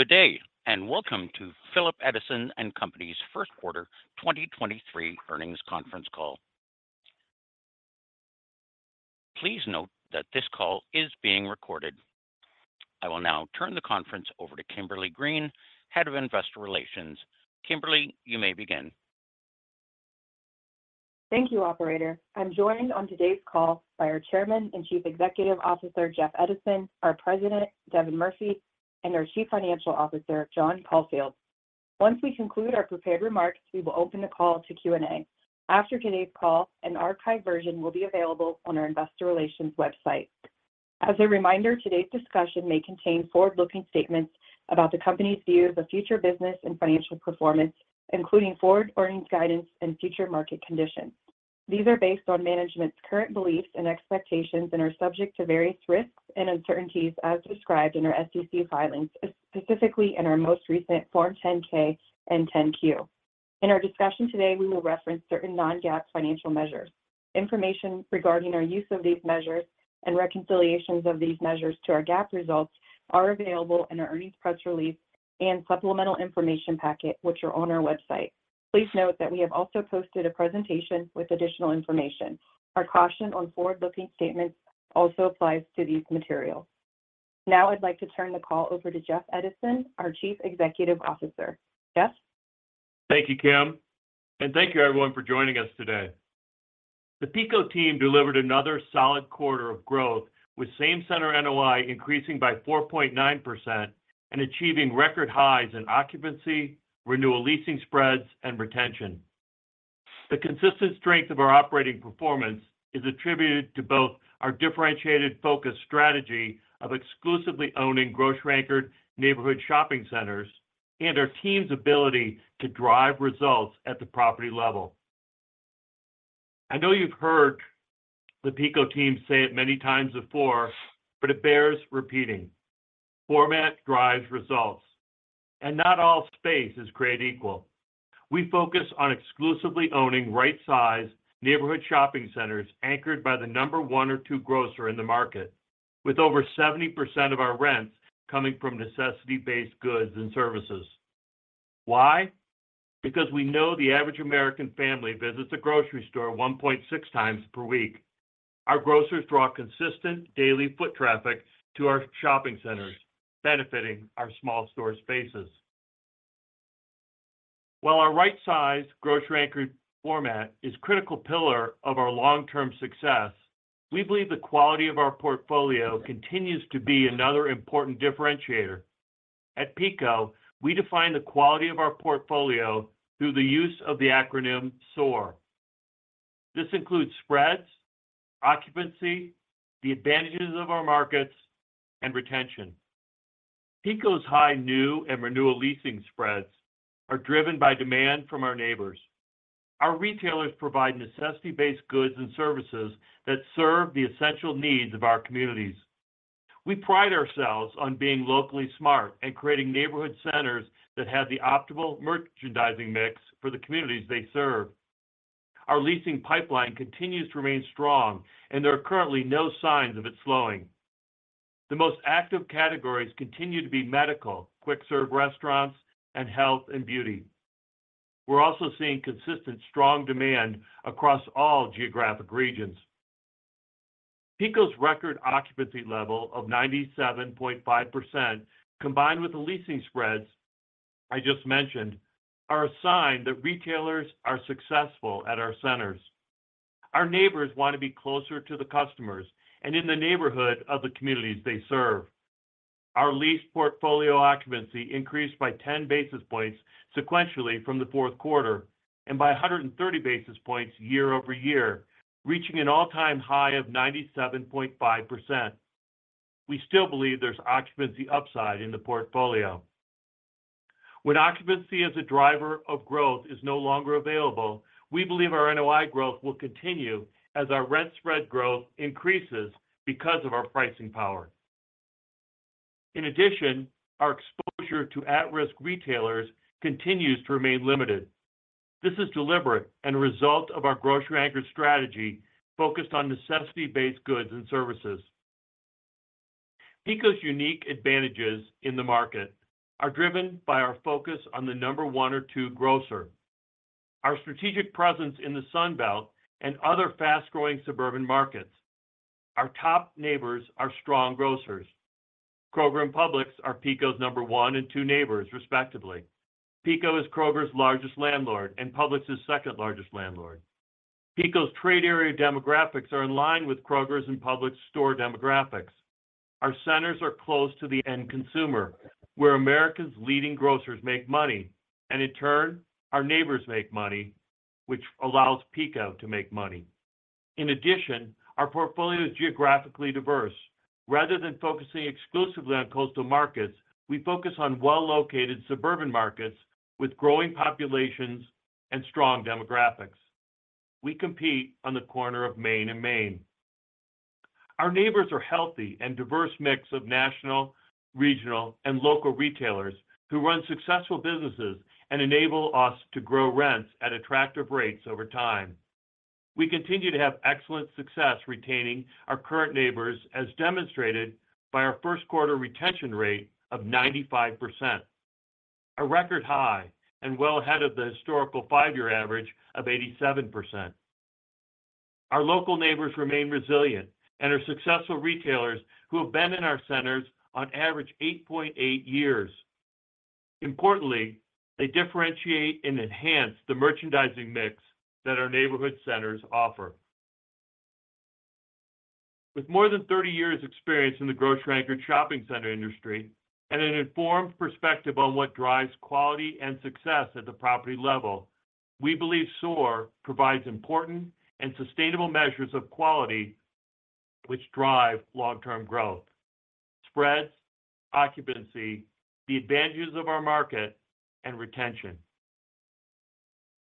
Good day, and welcome to Phillips Edison & Company's first quarter 2023 earnings conference call. Please note that this call is being recorded. I will now turn the conference over to Kimberly Green, Head of Investor Relations. Kimberly, you may begin. Thank you, operator. I'm joined on today's call by our Chairman and Chief Executive Officer, Jeff Edison, our President, Devin Murphy, and our Chief Financial Officer, John Caulfield. Once we conclude our prepared remarks, we will open the call to Q&A. After today's call, an archived version will be available on our investor relations website. As a reminder, today's discussion may contain forward-looking statements about the company's view of the future business and financial performance, including forward earnings guidance and future market conditions. These are based on management's current beliefs and expectations and are subject to various risks and uncertainties as described in our SEC filings, specifically in our most recent Form 10-K and 10-Q. In our discussion today, we will reference certain non-GAAP financial measures. Information regarding our use of these measures and reconciliations of these measures to our GAAP results are available in our earnings press release and supplemental information packet, which are on our website. Please note that we have also posted a presentation with additional information. Our caution on forward-looking statements also applies to these materials. Now I'd like to turn the call over to Jeff Edison, our Chief Executive Officer. Jeff? Thank you, Kim. Thank you, everyone for joining us today. The PECO team delivered another solid quarter of growth with same center NOI increasing by 4.9% and achieving record highs in occupancy, renewal leasing spreads, and retention. The consistent strength of our operating performance is attributed to both our differentiated focus strategy of exclusively owning grocery-anchored neighborhood shopping centers and our team's ability to drive results at the property level. I know you've heard the PECO team say it many times before, but it bears repeating. Format drives results, and not all space is created equal. We focus on exclusively owning right-sized neighborhood shopping centers anchored by the number one or two grocer in the market, with over 70% of our rents coming from necessity-based goods and services. Why? Because we know the average American family visits a grocery store 1.6 times per week. Our grocers draw consistent daily foot traffic to our shopping centers, benefiting our small store spaces. While our right-size grocery anchor format is a critical pillar of our long-term success, we believe the quality of our portfolio continues to be another important differentiator. At PECO, we define the quality of our portfolio through the use of the acronym SOAR. This includes spreads, occupancy, the advantages of our markets, and retention. PECO's high new and renewal leasing spreads are driven by demand from our neighbors. Our retailers provide necessity-based goods and services that serve the essential needs of our communities. We pride ourselves on being locally smart and creating neighborhood centers that have the optimal merchandising mix for the communities they serve. Our leasing pipeline continues to remain strong, and there are currently no signs of it slowing. The most active categories continue to be medical, quick serve restaurants, and health and beauty. We're also seeing consistent, strong demand across all geographic regions. PECO's record occupancy level of 97.5%, combined with the leasing spreads I just mentioned, are a sign that retailers are successful at our centers. Our neighbors want to be closer to the customers and in the neighborhood of the communities they serve. Our lease portfolio occupancy increased by 10 basis points sequentially from the fourth quarter and by 130 basis points year-over-year, reaching an all-time high of 97.5%. We still believe there's occupancy upside in the portfolio. When occupancy as a driver of growth is no longer available, we believe our NOI growth will continue as our rent spread growth increases because of our pricing power. In addition, our exposure to at-risk retailers continues to remain limited. This is deliberate and a result of our grocery anchor strategy focused on necessity-based goods and services. PECO's unique advantages in the market are driven by our focus on the number one or two grocer. Our strategic presence in the Sunbelt and other fast-growing suburban markets. Our top neighbors are strong grocers. Kroger and Publix are PECO's number one and two neighbors, respectively. PECO is Kroger's largest landlord and Publix's second largest landlord. PECO's trade area demographics are in line with Kroger's and Publix's store demographics. Our centers are close to the end consumer, where America's leading grocers make money, and in turn, our neighbors make money, which allows PECO to make money. In addition, our portfolio is geographically diverse. Rather than focusing exclusively on coastal markets, we focus on well-located suburban markets with growing populations and strong demographics. We compete on the corner of Maine and Maine. Our neighbors are a healthy and diverse mix of national, regional, and local retailers who run successful businesses and enable us to grow rents at attractive rates over time. We continue to have excellent success retaining our current neighbors as demonstrated by our first quarter retention rate of 95%. A record high and well ahead of the historical five-year average of 87%. Our local neighbors remain resilient and are successful retailers who have been in our centers on average 8.8 years. Importantly, they differentiate and enhance the merchandising mix that our neighborhood centers offer. With more than 30 years’ experience in the grocery-anchored shopping center industry and an informed perspective on what drives quality and success at the property level, we believe SOAR provides important and sustainable measures of quality which drive long-term growth, spreads, occupancy, the advantages of our market, and retention.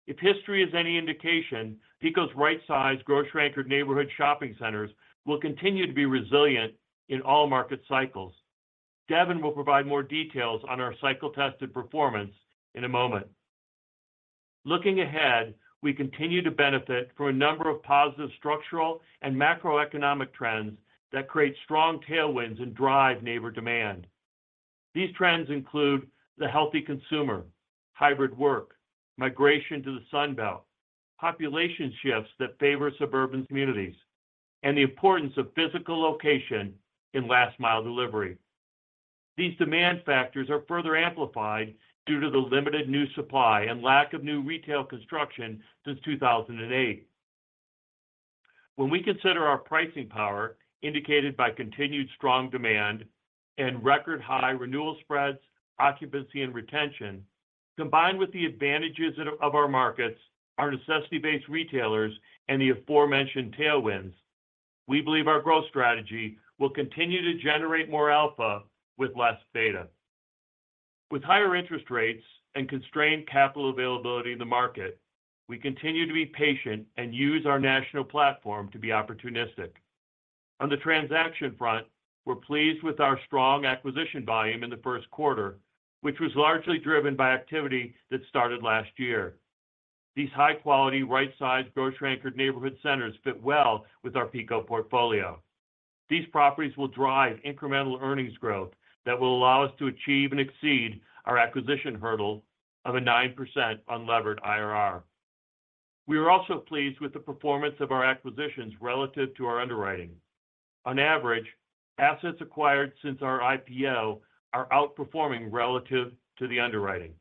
If history is any indication, PECO's right-sized grocery-anchored neighborhood shopping centers will continue to be resilient in all market cycles. Devin will provide more details on our cycle-tested performance in a moment. Looking ahead, we continue to benefit from a number of positive structural and macroeconomic trends that create strong tailwinds and drive neighbor demand. These trends include the healthy consumer, hybrid work, migration to the Sunbelt, population shifts that favor suburban communities, and the importance of physical location in last mile delivery. These demand factors are further amplified due to the limited new supply and lack of new retail construction since 2008. When we consider our pricing power indicated by continued strong demand and record high renewal spreads, occupancy and retention, combined with the advantages of our markets, our necessity-based retailers and the aforementioned tailwinds, we believe our growth strategy will continue to generate more alpha with less beta. With higher interest rates and constrained capital availability in the market, we continue to be patient and use our national platform to be opportunistic. On the transaction front, we're pleased with our strong acquisition volume in the first quarter, which was largely driven by activity that started last year. These high-quality, right-sized grocery-anchored neighborhood centers fit well with our PECO portfolio. These properties will drive incremental earnings growth that will allow us to achieve and exceed our acquisition hurdle of a 9% unlevered IRR. We are also pleased with the performance of our acquisitions relative to our underwriting. On average, assets acquired since our IPO are outperforming relative to the underwriting.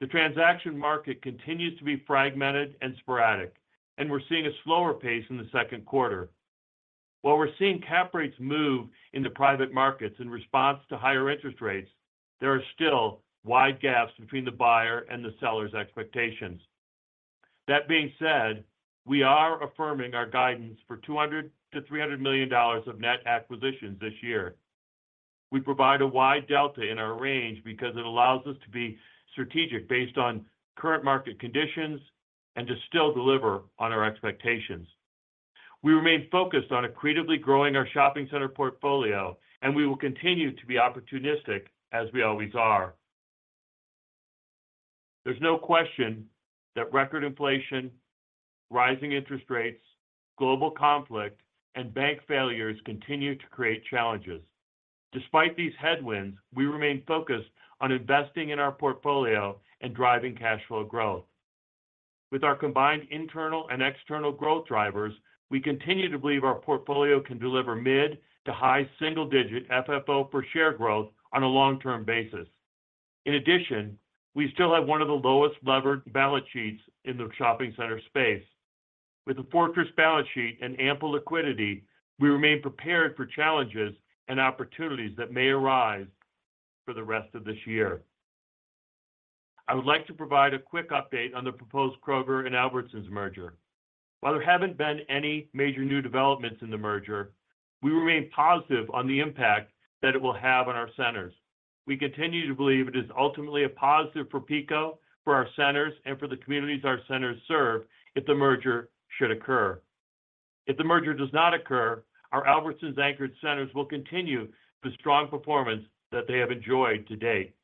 The transaction market continues to be fragmented and sporadic, and we're seeing a slower pace in the second quarter. While we're seeing cap rates move into private markets in response to higher interest rates, there are still wide gaps between the buyer and the seller's expectations. That being said, we are affirming our guidance for $200 million-$300 million of net acquisitions this year. We provide a wide delta in our range because it allows us to be strategic based on current market conditions and to still deliver on our expectations. We remain focused on accretively growing our shopping center portfolio. We will continue to be opportunistic as we always are. There's no question that record inflation, rising interest rates, global conflict, and bank failures continue to create challenges. Despite these headwinds, we remain focused on investing in our portfolio and driving cash flow growth. With our combined internal and external growth drivers, we continue to believe our portfolio can deliver mid to high single digit FFO per share growth on a long-term basis. We still have one of the lowest levered balance sheets in the shopping center space. With a fortress balance sheet and ample liquidity, we remain prepared for challenges and opportunities that may arise for the rest of this year. I would like to provide a quick update on the proposed Kroger and Albertsons merger. While there haven't been any major new developments in the merger, we remain positive on the impact that it will have on our centers. We continue to believe it is ultimately a positive for PECO, for our centers, and for the communities our centers serve if the merger should occur. If the merger does not occur, our Albertsons anchored centers will continue the strong performance that they have enjoyed to date.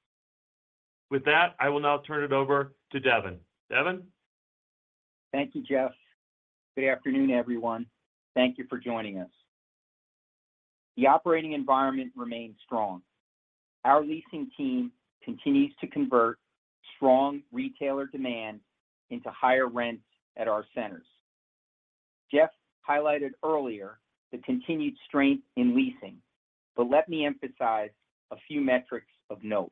With that, I will now turn it over to Devin. Devin? Thank you, Jeff. Good afternoon, everyone. Thank you for joining us. The operating environment remains strong. Our leasing team continues to convert strong retailer demand into higher rents at our centers. Jeff highlighted earlier the continued strength in leasing, let me emphasize a few metrics of note.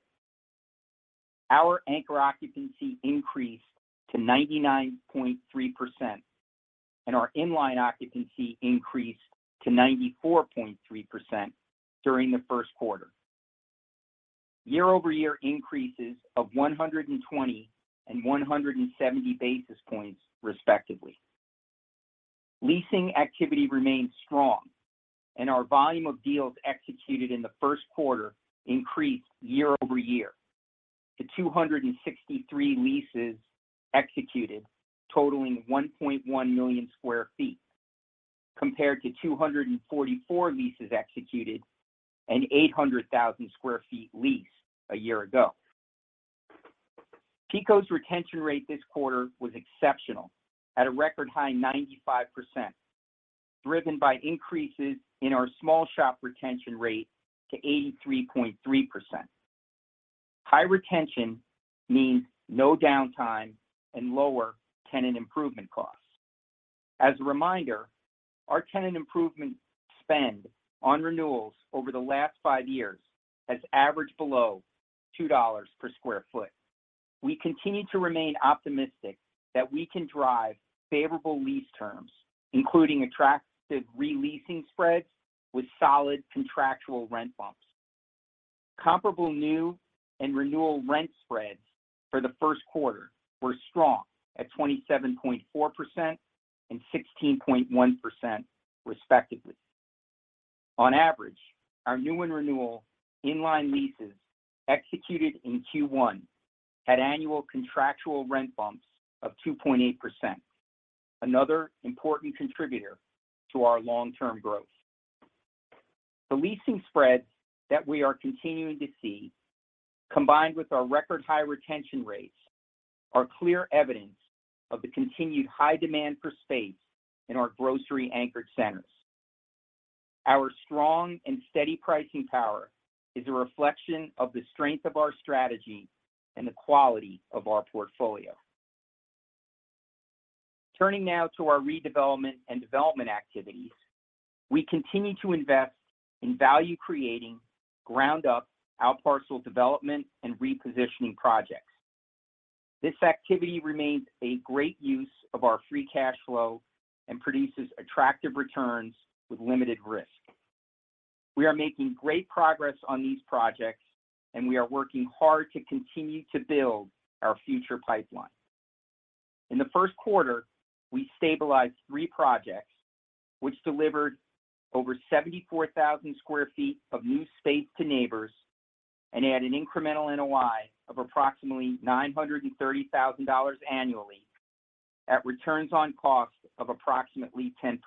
Our anchor occupancy increased to 99.3%, and our inline occupancy increased to 94.3% during the first quarter. Year-over-year increases of 120 and 170 basis points, respectively. Leasing activity remains strong and our volume of deals executed in the first quarter increased year-over-year to 263 leases executed, totaling 1.1 million sq ft. Compared to 244 leases executed and 800,000 sq ft leased a year ago. PECO's retention rate this quarter was exceptional at a record high 95%, driven by increases in our small shop retention rate to 83.3%. High retention means no downtime and lower tenant improvement costs. As a reminder, our tenant improvement spend on renewals over the last five years has averaged below $2 per sq ft. We continue to remain optimistic that we can drive favorable lease terms, including attractive re-leasing spreads with solid contractual rent bumps. Comparable new and renewal rent spreads for the first quarter were strong at 27.4% and 16.1%, respectively. On average, our new and renewal inline leases executed in Q1 had annual contractual rent bumps of 2.8%, another important contributor to our long-term growth. The leasing spreads that we are continuing to see, combined with our record high retention rates, are clear evidence of the continued high demand for space in our grocery-anchored centers. Our strong and steady pricing power is a reflection of the strength of our strategy and the quality of our portfolio. Turning now to our redevelopment and development activities, we continue to invest in value-creating ground-up outparcel development and repositioning projects. This activity remains a great use of our free cash flow and produces attractive returns with limited risk. We are making great progress on these projects, and we are working hard to continue to build our future pipeline. In the first quarter, we stabilized three projects which delivered over 74,000 sq ft of new space to neighbors and add an incremental NOI of approximately $930,000 annually at returns on cost of approximately 10%.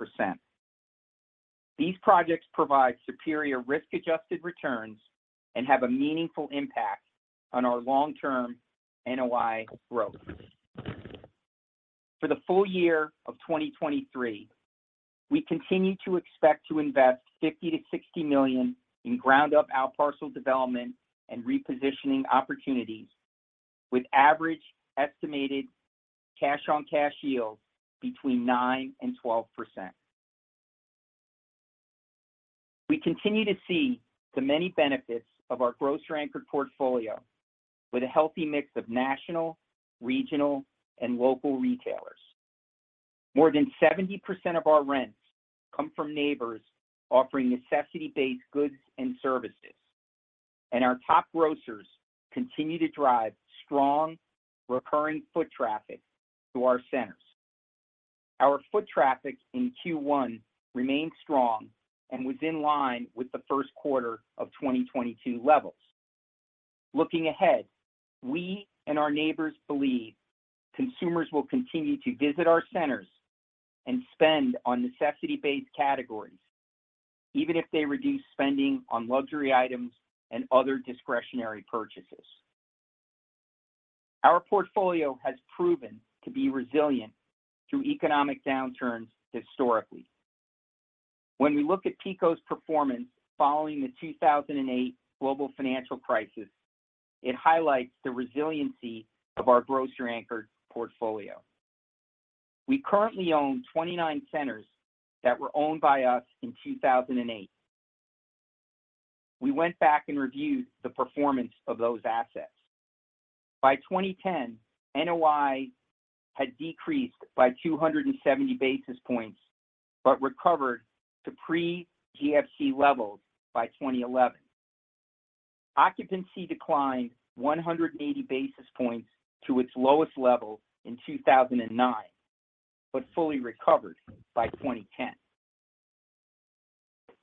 These projects provide superior risk-adjusted returns and have a meaningful impact on our long-term NOI growth. For the full year of 2023, we continue to expect to invest $50 million-$60 million in ground-up outparcel development and repositioning opportunities with average estimated cash-on-cash yield between 9% and 12%. We continue to see the many benefits of our grocer-anchored portfolio with a healthy mix of national, regional, and local retailers. More than 70% of our rents come from neighbors offering necessity-based goods and services. Our top grocers continue to drive strong recurring foot traffic to our centers. Our foot traffic in Q1 remained strong and was in line with the 1st quarter of 2022 levels. Looking ahead, we and our neighbors believe consumers will continue to visit our centers and spend on necessity-based categories, even if they reduce spending on luxury items and other discretionary purchases. Our portfolio has proven to be resilient through economic downturns historically. When we look at PECO's performance following the 2008 global financial crisis, it highlights the resiliency of our grocery anchored portfolio. We currently own 29 centers that were owned by us in 2008. We went back and reviewed the performance of those assets. By 2010, NOI had decreased by 270 basis points but recovered to pre-GFC levels by 2011. Occupancy declined 180 basis points to its lowest level in 2009, fully recovered by 2010.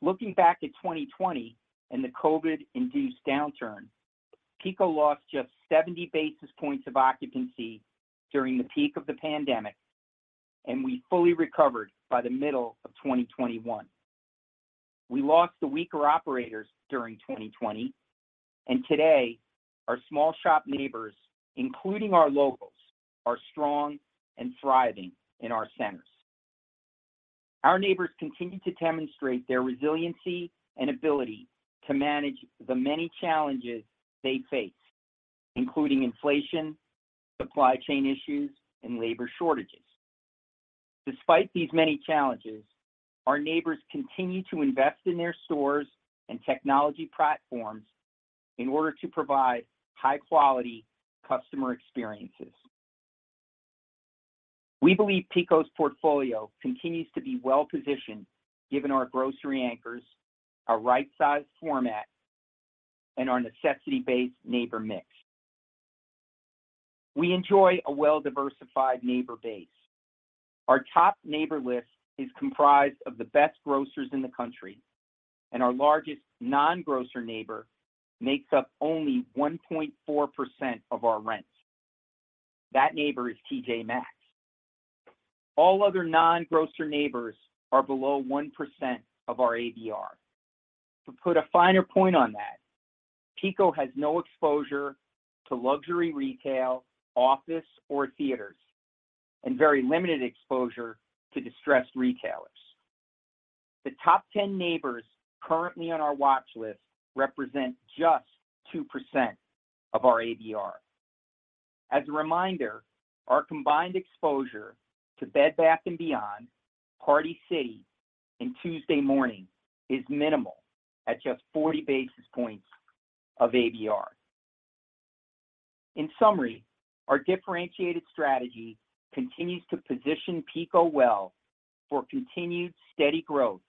Looking back at 2020 and the COVID induced downturn, PECO lost just 70 basis points of occupancy during the peak of the pandemic, we fully recovered by the middle of 2021. We lost the weaker operators during 2020, today our small shop neighbors, including our locals, are strong and thriving in our centers. Our neighbors continue to demonstrate their resiliency and ability to manage the many challenges they face, including inflation, supply chain issues, and labor shortages. Despite these many challenges, our neighbors continue to invest in their stores and technology platforms in order to provide high quality customer experiences. We believe PECO's portfolio continues to be well-positioned given our grocery anchors, our right size format, and our necessity-based neighbor mix. We enjoy a well-diversified neighbor base. Our top neighbor list is comprised of the best grocers in the country. Our largest non-grocer neighbor makes up only 1.4% of our rent. That neighbor is T.J. Maxx. All other non-grocer neighbors are below 1% of our ABR. To put a finer point on that, PECO has no exposure to luxury retail, office or theaters, and very limited exposure to distressed retailers. The top 10 neighbors currently on our watch list represent just 2% of our ABR. As a reminder, our combined exposure to Bed Bath & Beyond, Party City, and Tuesday Morning is minimal at just 40 basis points of ABR. In summary, our differentiated strategy continues to position PECO well for continued steady growth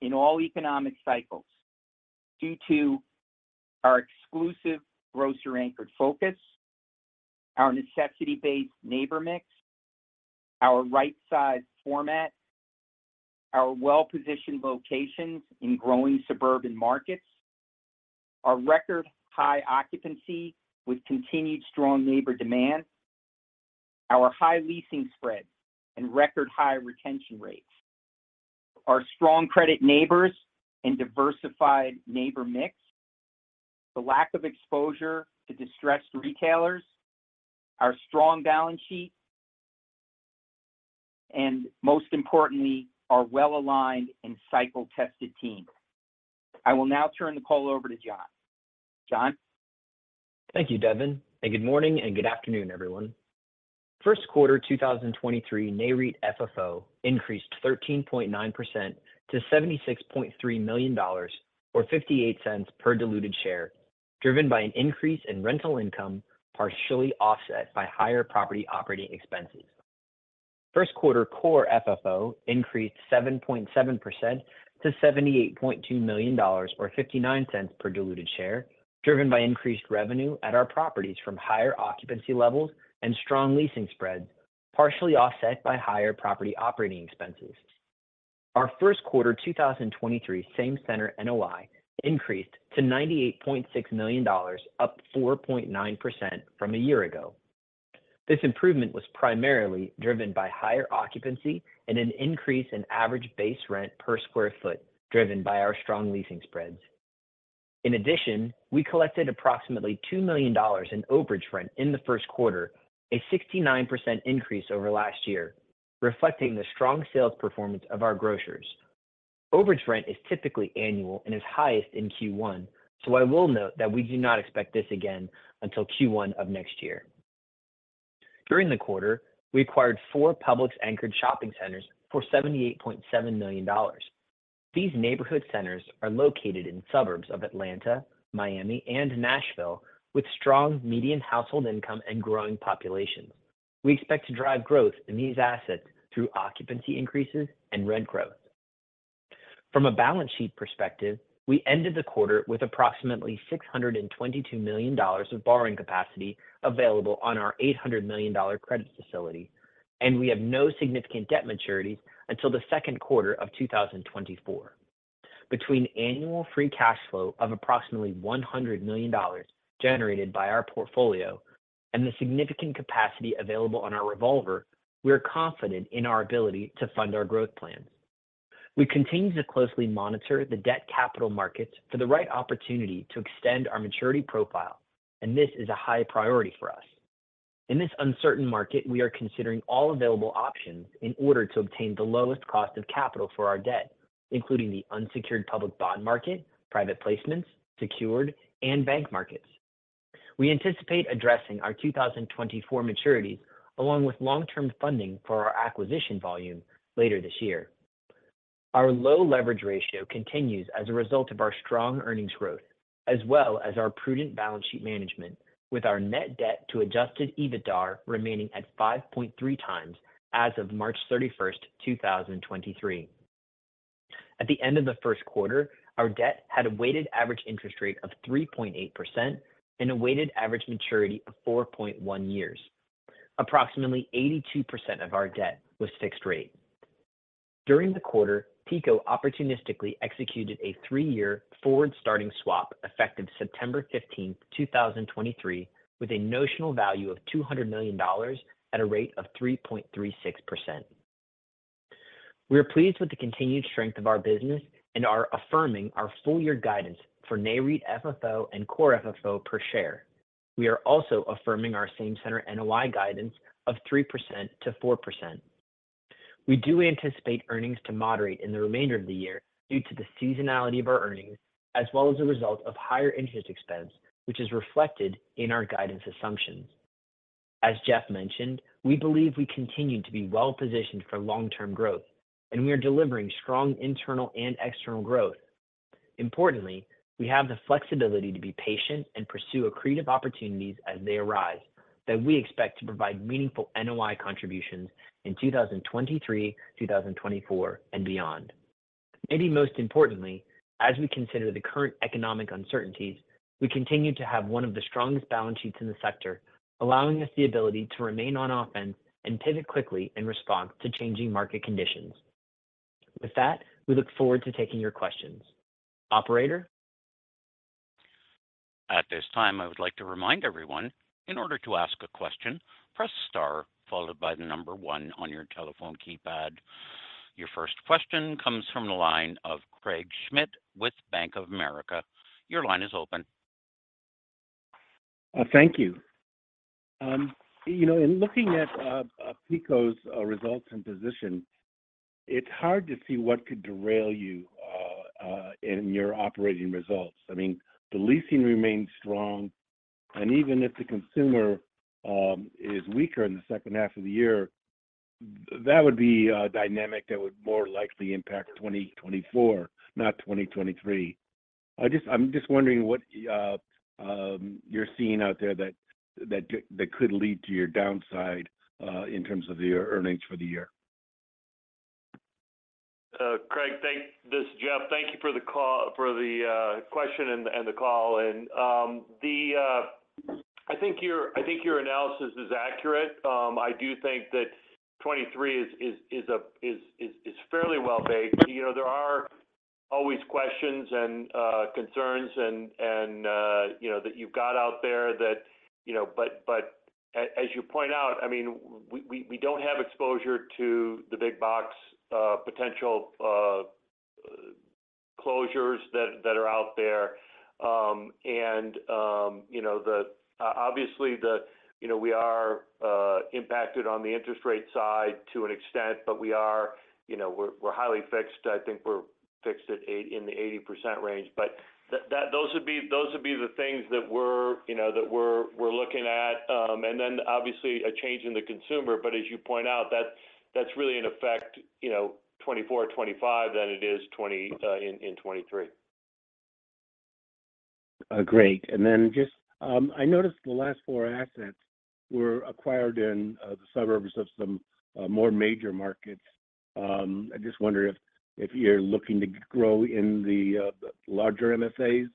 in all economic cycles due to our exclusive grocer anchored focus, our necessity-based neighbor mix, our right size format, our well-positioned locations in growing suburban markets, our record high occupancy with continued strong neighbor demand, our high leasing spreads and record high retention rates, our strong credit neighbors and diversified neighbor mix, the lack of exposure to distressed retailers, our strong balance sheet, and most importantly, our well-aligned and cycle tested team. I will now turn the call over to John. John? Thank you, Devin. Good morning and good afternoon, everyone. First quarter 2023 Nareit FFO increased 13.9% to $76.3 million or $0.58 per diluted share, driven by an increase in rental income, partially offset by higher property operating expenses. First quarter core FFO increased 7.7% to $78.2 million, or $0.59 per diluted share, driven by increased revenue at our properties from higher occupancy levels and strong leasing spreads, partially offset by higher property operating expenses. Our first quarter 2023 same center NOI increased to $98.6 million, up 4.9% from a year ago. This improvement was primarily driven by higher occupancy and an increase in average base rent per square foot, driven by our strong leasing spreads. We collected approximately $2 million in overage rent in the first quarter, a 69% increase over last year, reflecting the strong sales performance of our grocers. Overage rent is typically annual and is highest in Q1. I will note that we do not expect this again until Q1 of next year. During the quarter, we acquired four Publix anchored shopping centers for $78.7 million. These neighborhood centers are located in suburbs of Atlanta, Miami and Nashville, with strong median household income and growing populations. We expect to drive growth in these assets through occupancy increases and rent growth. From a balance sheet perspective, we ended the quarter with approximately $622 million of borrowing capacity available on our $800 million credit facility. We have no significant debt maturities until the second quarter of 2024. Between annual free cash flow of approximately $100 million generated by our portfolio and the significant capacity available on our revolver, we're confident in our ability to fund our growth plans. We continue to closely monitor the debt capital markets for the right opportunity to extend our maturity profile. This is a high priority for us. In this uncertain market, we are considering all available options in order to obtain the lowest cost of capital for our debt, including the unsecured public bond market, private placements, secured and bank markets. We anticipate addressing our 2024 maturities along with long term funding for our acquisition volume later this year. Our low leverage ratio continues as a result of our strong earnings growth, as well as our prudent balance sheet management with our net debt to adjusted EBITDA remaining at 5.3 times as of March 31st, 2023. At the end of the first quarter, our debt had a weighted average interest rate of 3.8% and a weighted average maturity of 4.1 years. Approximately 82% of our debt was fixed rate. During the quarter, PECO opportunistically executed a three-year forward starting swap effective September 15th, 2023, with a notional value of $200 million at a rate of 3.36%. We are pleased with the continued strength of our business and are affirming our full year guidance for Nareit FFO and core FFO per share. We are also affirming our same center NOI guidance of 3%-4%. We do anticipate earnings to moderate in the remainder of the year due to the seasonality of our earnings as well as a result of higher interest expense, which is reflected in our guidance assumptions. As Jeff mentioned, we believe we continue to be well positioned for long term growth, and we are delivering strong internal and external growth. Importantly, we have the flexibility to be patient and pursue accretive opportunities as they arise that we expect to provide meaningful NOI contributions in 2023, 2024 and beyond. Maybe most importantly, as we consider the current economic uncertainties, we continue to have one of the strongest balance sheets in the sector, allowing us the ability to remain on offense and pivot quickly in response to changing market conditions. With that, we look forward to taking your questions. Operator? At this time, I would like to remind everyone, in order to ask a question, press star followed by the number one on your telephone keypad. Your first question comes from the line of Craig Schmidt with Bank of America. Your line is open. Thank you. You know, in looking at PECO's results and position, it's hard to see what could derail you in your operating results. I mean, the leasing remains strong, and even if the consumer is weaker in the second half of the year, that would be a dynamic that would more likely impact 2024, not 2023. I'm just wondering what you're seeing out there that could lead to your downside in terms of your earnings for the year. Craig, This is Jeff. Thank you for the question and the call. I think your analysis is accurate. I do think that 2023 is fairly well-based. You know, there are always questions and concerns and, you know, that you've got out there that, you know. As you point out, I mean, we don't have exposure to the big box potential closures that are out there. And, you know, obviously, you know, we are impacted on the interest rate side to an extent, but we are, you know, we're highly fixed. I think we're fixed in the 80% range. Those would be the things that we're, you know, that we're looking at. Obviously a change in the consumer. As you point out, that's really in effect, you know, 2024, 2025 than it is in 2023. Great. Just, I noticed the last four assets were acquired in, the suburbs of some, more major markets. I just wonder if you're looking to grow in the, larger MSAs?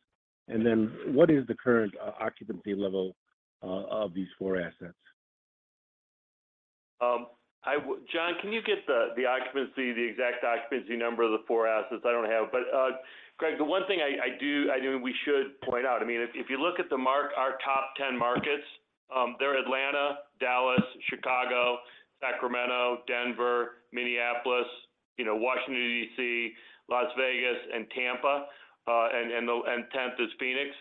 What is the current occupancy level of these four assets? John, can you get the occupancy, the exact occupancy number of the four assets? I don't have. Craig, the one thing I do, I think we should point out, I mean, if you look at our top 10 markets, they're Atlanta, Dallas, Chicago, Sacramento, Denver, Minneapolis, you know, Washington, D.C., Las Vegas, and Tampa, and 10th is Phoenix.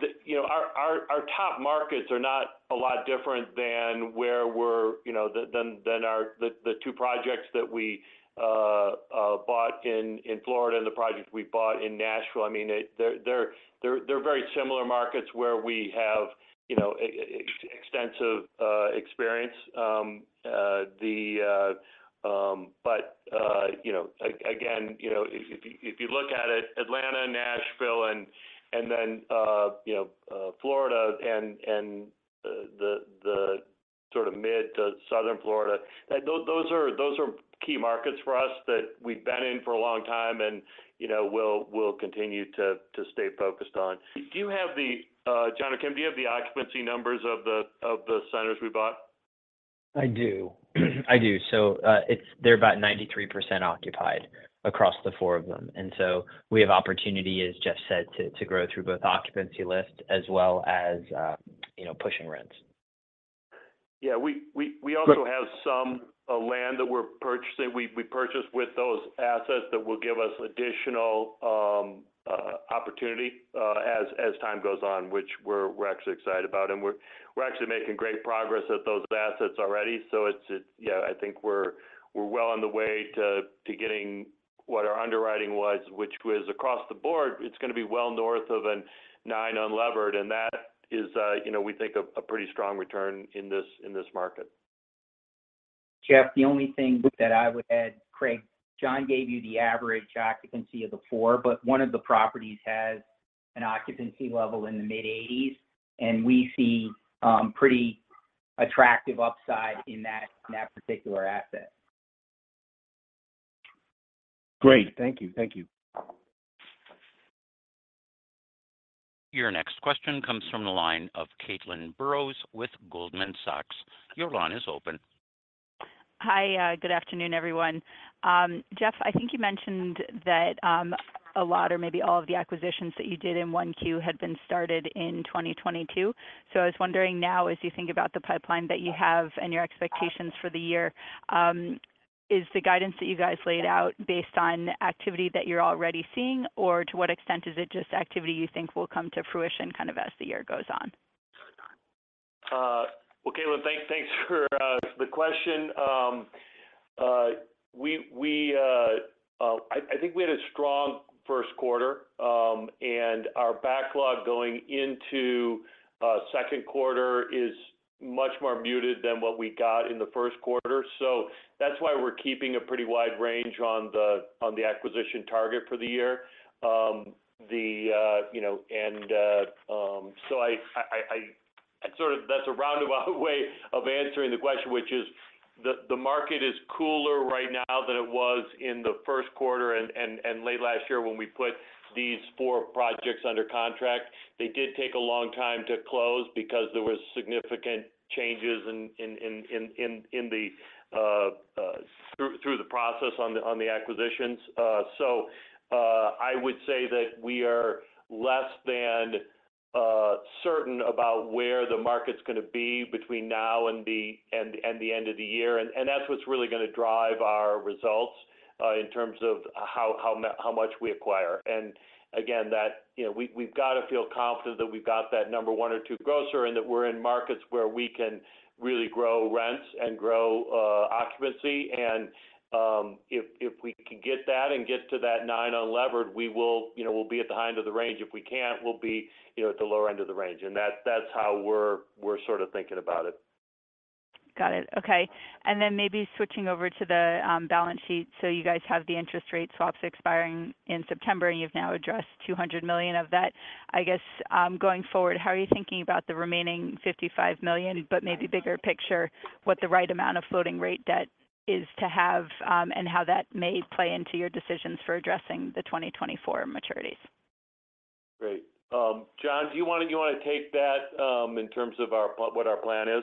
The, you know, our top markets are not a lot different than where we're, you know, than the two projects that we bought in Florida and the projects we bought in Nashville. I mean, they're very similar markets where we have, you know, extensive experience. You know, again, you know, if you look at it, Atlanta, Nashville, and then, you know, Florida and the sort of mid to southern Florida, those are key markets for us that we've been in for a long time and, you know, we'll continue to stay focused on. Do you have the John or Kim, do you have the occupancy numbers of the centers we bought? I do. They're about 93% occupied across the four of them. We have opportunity, as Jeff said, to grow through both occupancy list as well as, you know, pushing rents. Yeah. We also have some land that we're purchasing. We purchased with those assets that will give us additional opportunity as time goes on, which we're actually excited about. We're actually making great progress at those assets already. Yeah, I think we're well on the way to getting what our underwriting was, which was across the board. It's gonna be well north of a 9 unlevered, that is, you know, we think a pretty strong return in this, in this market. Jeff, the only thing that I would add, Craig. John gave you the average occupancy of the four, but one of the properties has an occupancy level in the mid-80s, and we see pretty attractive upside in that, in that particular asset. Great. Thank you. Thank you. Your next question comes from the line of Caitlin Burrows with Goldman Sachs. Your line is open. Hi. Good afternoon, everyone. Jeff, I think you mentioned that a lot or maybe all of the acquisitions that you did in 1Q had been started in 2022. I was wondering now as you think about the pipeline that you have and your expectations for the year, is the guidance that you guys laid out based on activity that you're already seeing? To what extent is it just activity you think will come to fruition kind of as the year goes on? Well, Caitlin, thanks for the question. We think we had a strong first quarter, and our backlog going into second quarter is much more muted than what we got in the first quarter. That's why we're keeping a pretty wide range on the acquisition target for the year. You know. That's a roundabout way of answering the question, which is the market is cooler right now than it was in the first quarter and late last year when we put these four projects under contract. They did take a long time to close because there was significant changes in the process on the acquisitions. I would say that we are less than certain about where the market's gonna be between now and the end of the year, and that's what's really gonna drive our results in terms of how much we acquire. Again, that, you know, we've gotta feel confident that we've got that number one or two grocer, and that we're in markets where we can really grow rents and grow occupancy. If we can get that and get to that 9 unlevered, we will, you know, we'll be at the high end of the range. If we can't, we'll be, you know, at the lower end of the range. That's how we're sort of thinking about it. Got it. Okay. Maybe switching over to the balance sheet. You guys have the interest rate swaps expiring in September, and you've now addressed $200 million of that. I guess, going forward, how are you thinking about the remaining $55 million, but maybe bigger picture, what the right amount of floating rate debt is to have, and how that may play into your decisions for addressing the 2024 maturities? Great. John, do you wanna take that, in terms of what our plan is?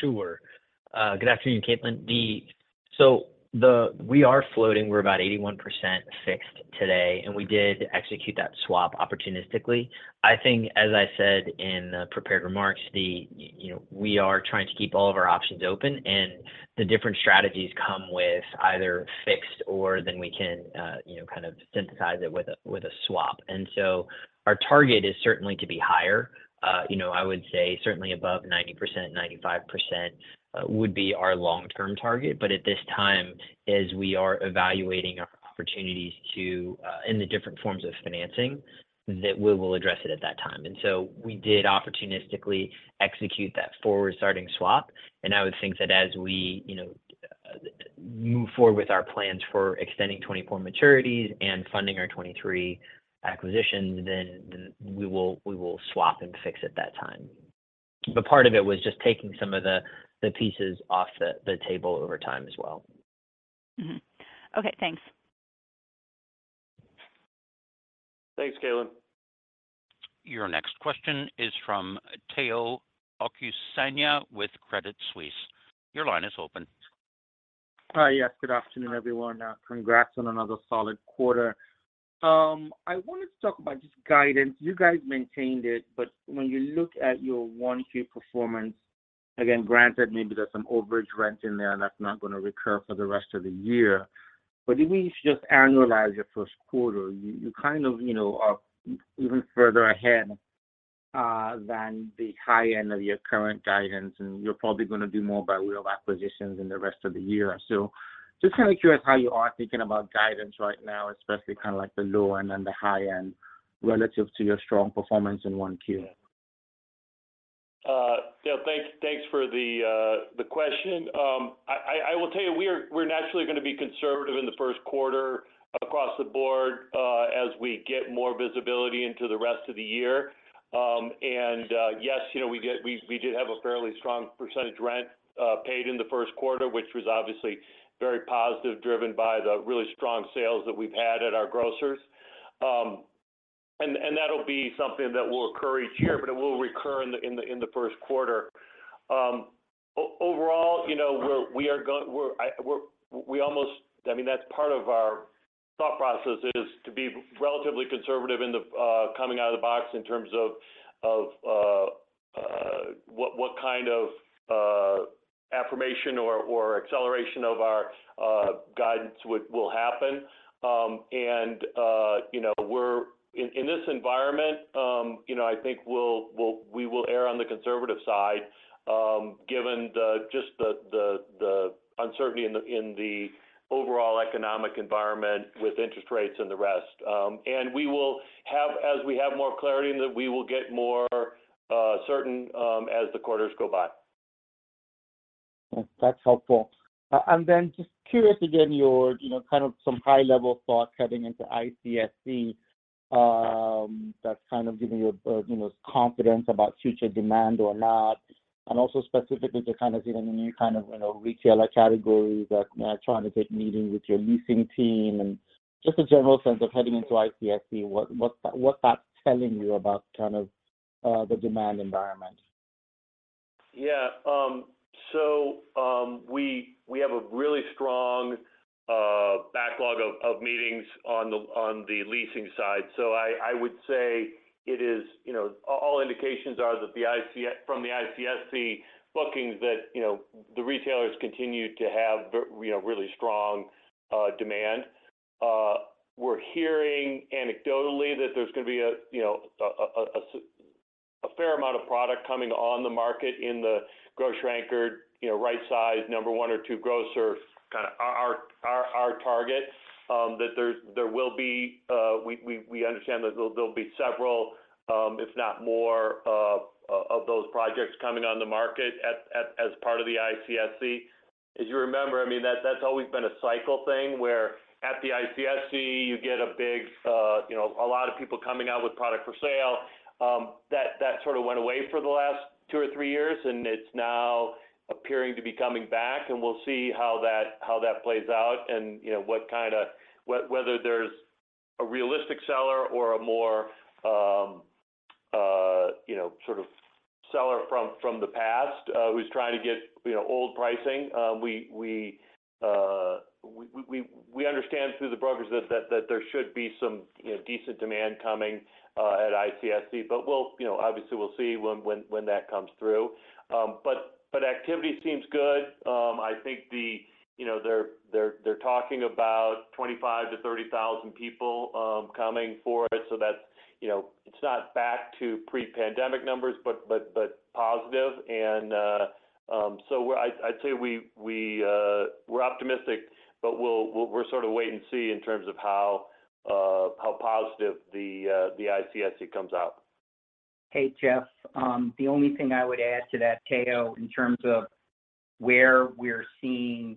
Sure. Good afternoon, Caitlin. We are floating. We're about 81% fixed today, and we did execute that swap opportunistically. I think, as I said in the prepared remarks, you know, we are trying to keep all of our options open, and the different strategies come with either fixed or then we can, you know, kind of synthesize it with a swap. Our target is certainly to be higher. You know, I would say certainly above 90%-95% would be our long-term target. At this time, as we are evaluating our opportunities to, in the different forms of financing, that we will address it at that time. We did opportunistically execute that forward starting swap, and I would think that as we, you know, move forward with our plans for extending 2024 maturities and funding our 2023 acquisitions, then we will swap and fix at that time. Part of it was just taking some of the pieces off the table over time as well. Okay, thanks. Thanks, Caitlin. Your next question is from Omotayo Okusanya with Credit Suisse. Your line is open. Hi. Yes, good afternoon, everyone. Congrats on another solid quarter. I wanted to talk about just guidance. You guys maintained it. When you look at your 1Q performance, again, granted maybe there's some overage rent in there, and that's not gonna recur for the rest of the year. If we just annualize your 1st quarter, you kind of, you know, are even further ahead, than the high end of your current guidance, and you're probably gonna do more by way of acquisitions in the rest of the year. Just kind of curious how you are thinking about guidance right now, especially kind of like the low end and the high end relative to your strong performance in 1Q. Yeah, thanks for the question. I will tell you, we're naturally gonna be conservative in the first quarter across the board as we get more visibility into the rest of the year. Yes, you know, we did have a fairly strong percentage rent paid in the first quarter, which was obviously very positive, driven by the really strong sales that we've had at our grocers. That'll be something that will occur each year, but it will recur in the first quarter. Overall, you know, we almost... I mean, that's part of our thought process is to be relatively conservative in the coming out of the box in terms of what kind of affirmation or acceleration of our guidance will happen. You know, we're... In this environment, you know, I think we will err on the conservative side, given the just the uncertainty in the overall economic environment with interest rates and the rest. We will have, as we have more clarity, and then we will get more certain as the quarters go by. That's helpful. Just curious, again, your, you know, kind of some high level thought heading into ICSC, that's kind of giving you know, confidence about future demand or not, and also specifically to kind of seeing any new kind of, you know, retailer categories that are trying to take meetings with your leasing team, and just a general sense of heading into ICSC, what's that telling you about kind of, the demand environment? Yeah. We have a really strong backlog of meetings on the leasing side. I would say it is, you know, all indications are that from the ICSC bookings that, you know, the retailers continue to have really strong demand. We're hearing anecdotally that there's gonna be a, you know, a fair amount of product coming on the market in the grocery anchored, you know, right size, number one or two grocer kind of our target. That there will be, we understand that there'll be several, if not more, of those projects coming on the market as part of the ICSC. As you remember, that's always been a cycle thing, where at the ICSC you get a big, a lot of people coming out with product for sale, that sort of went away for the last two or three years, and it's now appearing to be coming back. We'll see how that plays out and what kind of whether there's a realistic seller or a more, sort of seller from the past, who's trying to get old pricing. We understand through the brokers that there should be some decent demand coming at ICSC. Obviously we'll see when that comes through. But activity seems good. I think the, you know, they're talking about 25,000-30,000 people coming for it. That's, you know, it's not back to pre-pandemic numbers, but positive. I'd say we're optimistic, but we'll sort of wait and see in terms of how positive the ICSC comes out. Hey, Jeff. The only thing I would add to that, Tayo, in terms of where we're seeing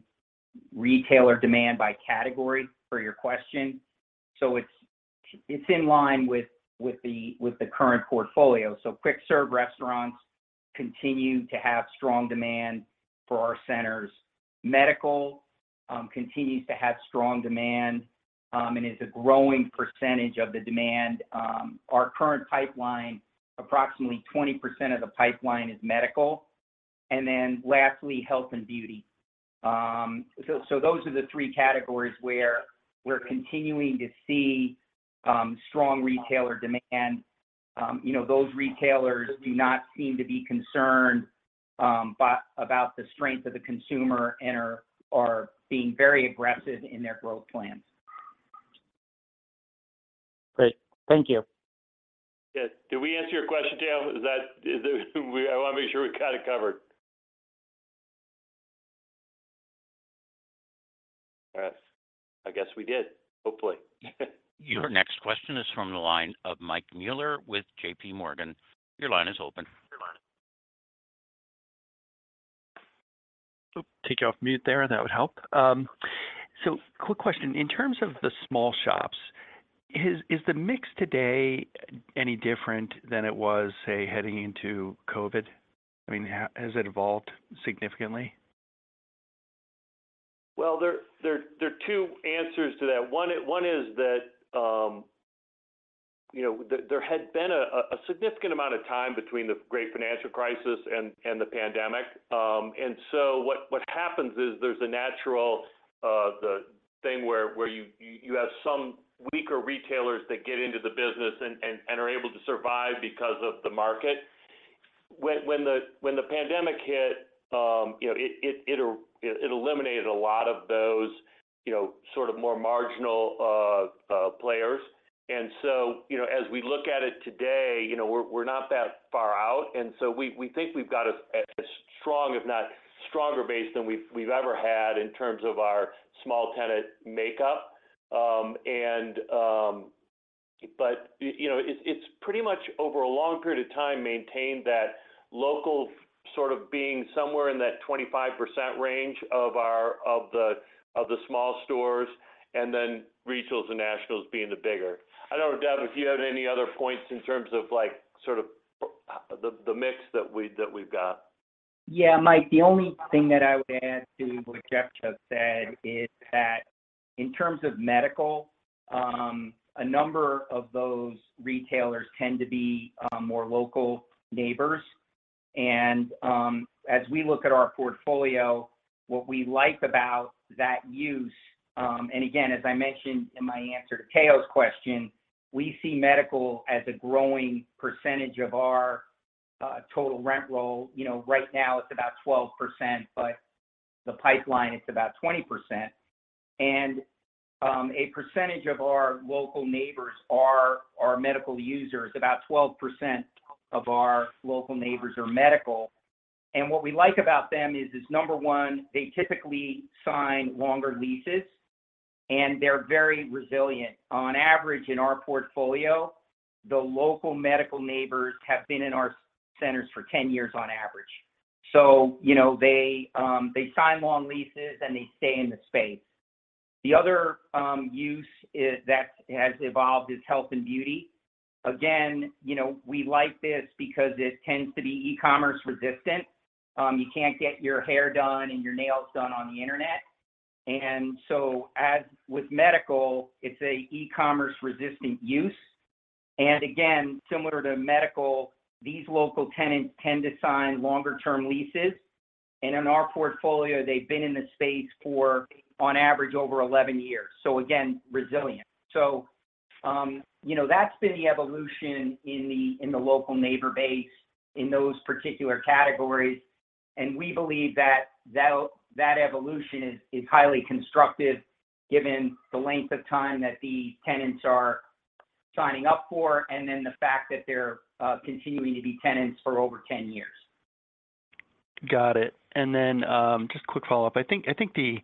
retailer demand by category for your question, it's in line with the current portfolio. Quick serve restaurants continue to have strong demand for our centers. Medical continues to have strong demand and is a growing percentage of the demand. Our current pipeline, approximately 20% of the pipeline is medical. Lastly, health and beauty. Those are the three categories where we're continuing to see strong retailer demand. You know, those retailers do not seem to be concerned about the strength of the consumer and are being very aggressive in their growth plans. Great. Thank you. Yeah. Did we answer your question, Tayo? I wanna make sure we got it covered. Yes, I guess we did, hopefully. Your next question is from the line of Mike Mueller with JPMorgan. Your line is open. Take you off mute there, that would help. Quick question. In terms of the small shops, is the mix today any different than it was, say, heading into COVID? I mean, has it evolved significantly? Well, there are two answers to that. One is that, you know, there had been a significant amount of time between the Great Financial Crisis and the pandemic. What happens is there's a natural thing where you have some weaker retailers that get into the business and are able to survive because of the market. When the pandemic hit, you know, it eliminated a lot of those, you know, sort of more marginal players. You know, as we look at it today, we're not that far out. We think we've got a strong, if not stronger base than we've ever had in terms of our small tenant makeup. You know, it's pretty much over a long period of time maintained that local sort of being somewhere in that 25% range of our, of the small stores, and then regionals and nationals being the bigger. I don't know, Dev, if you have any other points in terms of like, sort of the mix that we've got. Yeah, Mike, the only thing that I would add to what Jeff just said is that in terms of medical, a number of those retailers tend to be more local neighbors. As we look at our portfolio, what we like about that use, and again, as I mentioned in my answer to Tayo's question, we see medical as a growing percentage of our total rent roll. You know, right now it's about 12%, but the pipeline it's about 20%. A percentage of our local neighbors are our medical users. About 12% of our local neighbors are medical. What we like about them is number one, they typically sign longer leases, and they're very resilient. On average in our portfolio, the local medical neighbors have been in our centers for 10 years on average. You know, they sign long leases, and they stay in the space. The other use that has evolved is health and beauty. Again, you know, we like this because it tends to be e-commerce resistant. You can't get your hair done and your nails done on the internet. As with medical, it's a e-commerce resistant use. Similar to medical, these local tenants tend to sign longer term leases. In our portfolio, they've been in the space for, on average, over 11 years. Again, resilient. You know, that's been the evolution in the, in the local neighbor base in those particular categories. We believe that evolution is highly constructive given the length of time that the tenants are signing up for, and then the fact that they're continuing to be tenants for over 10 years. Got it. Just a quick follow-up. I think the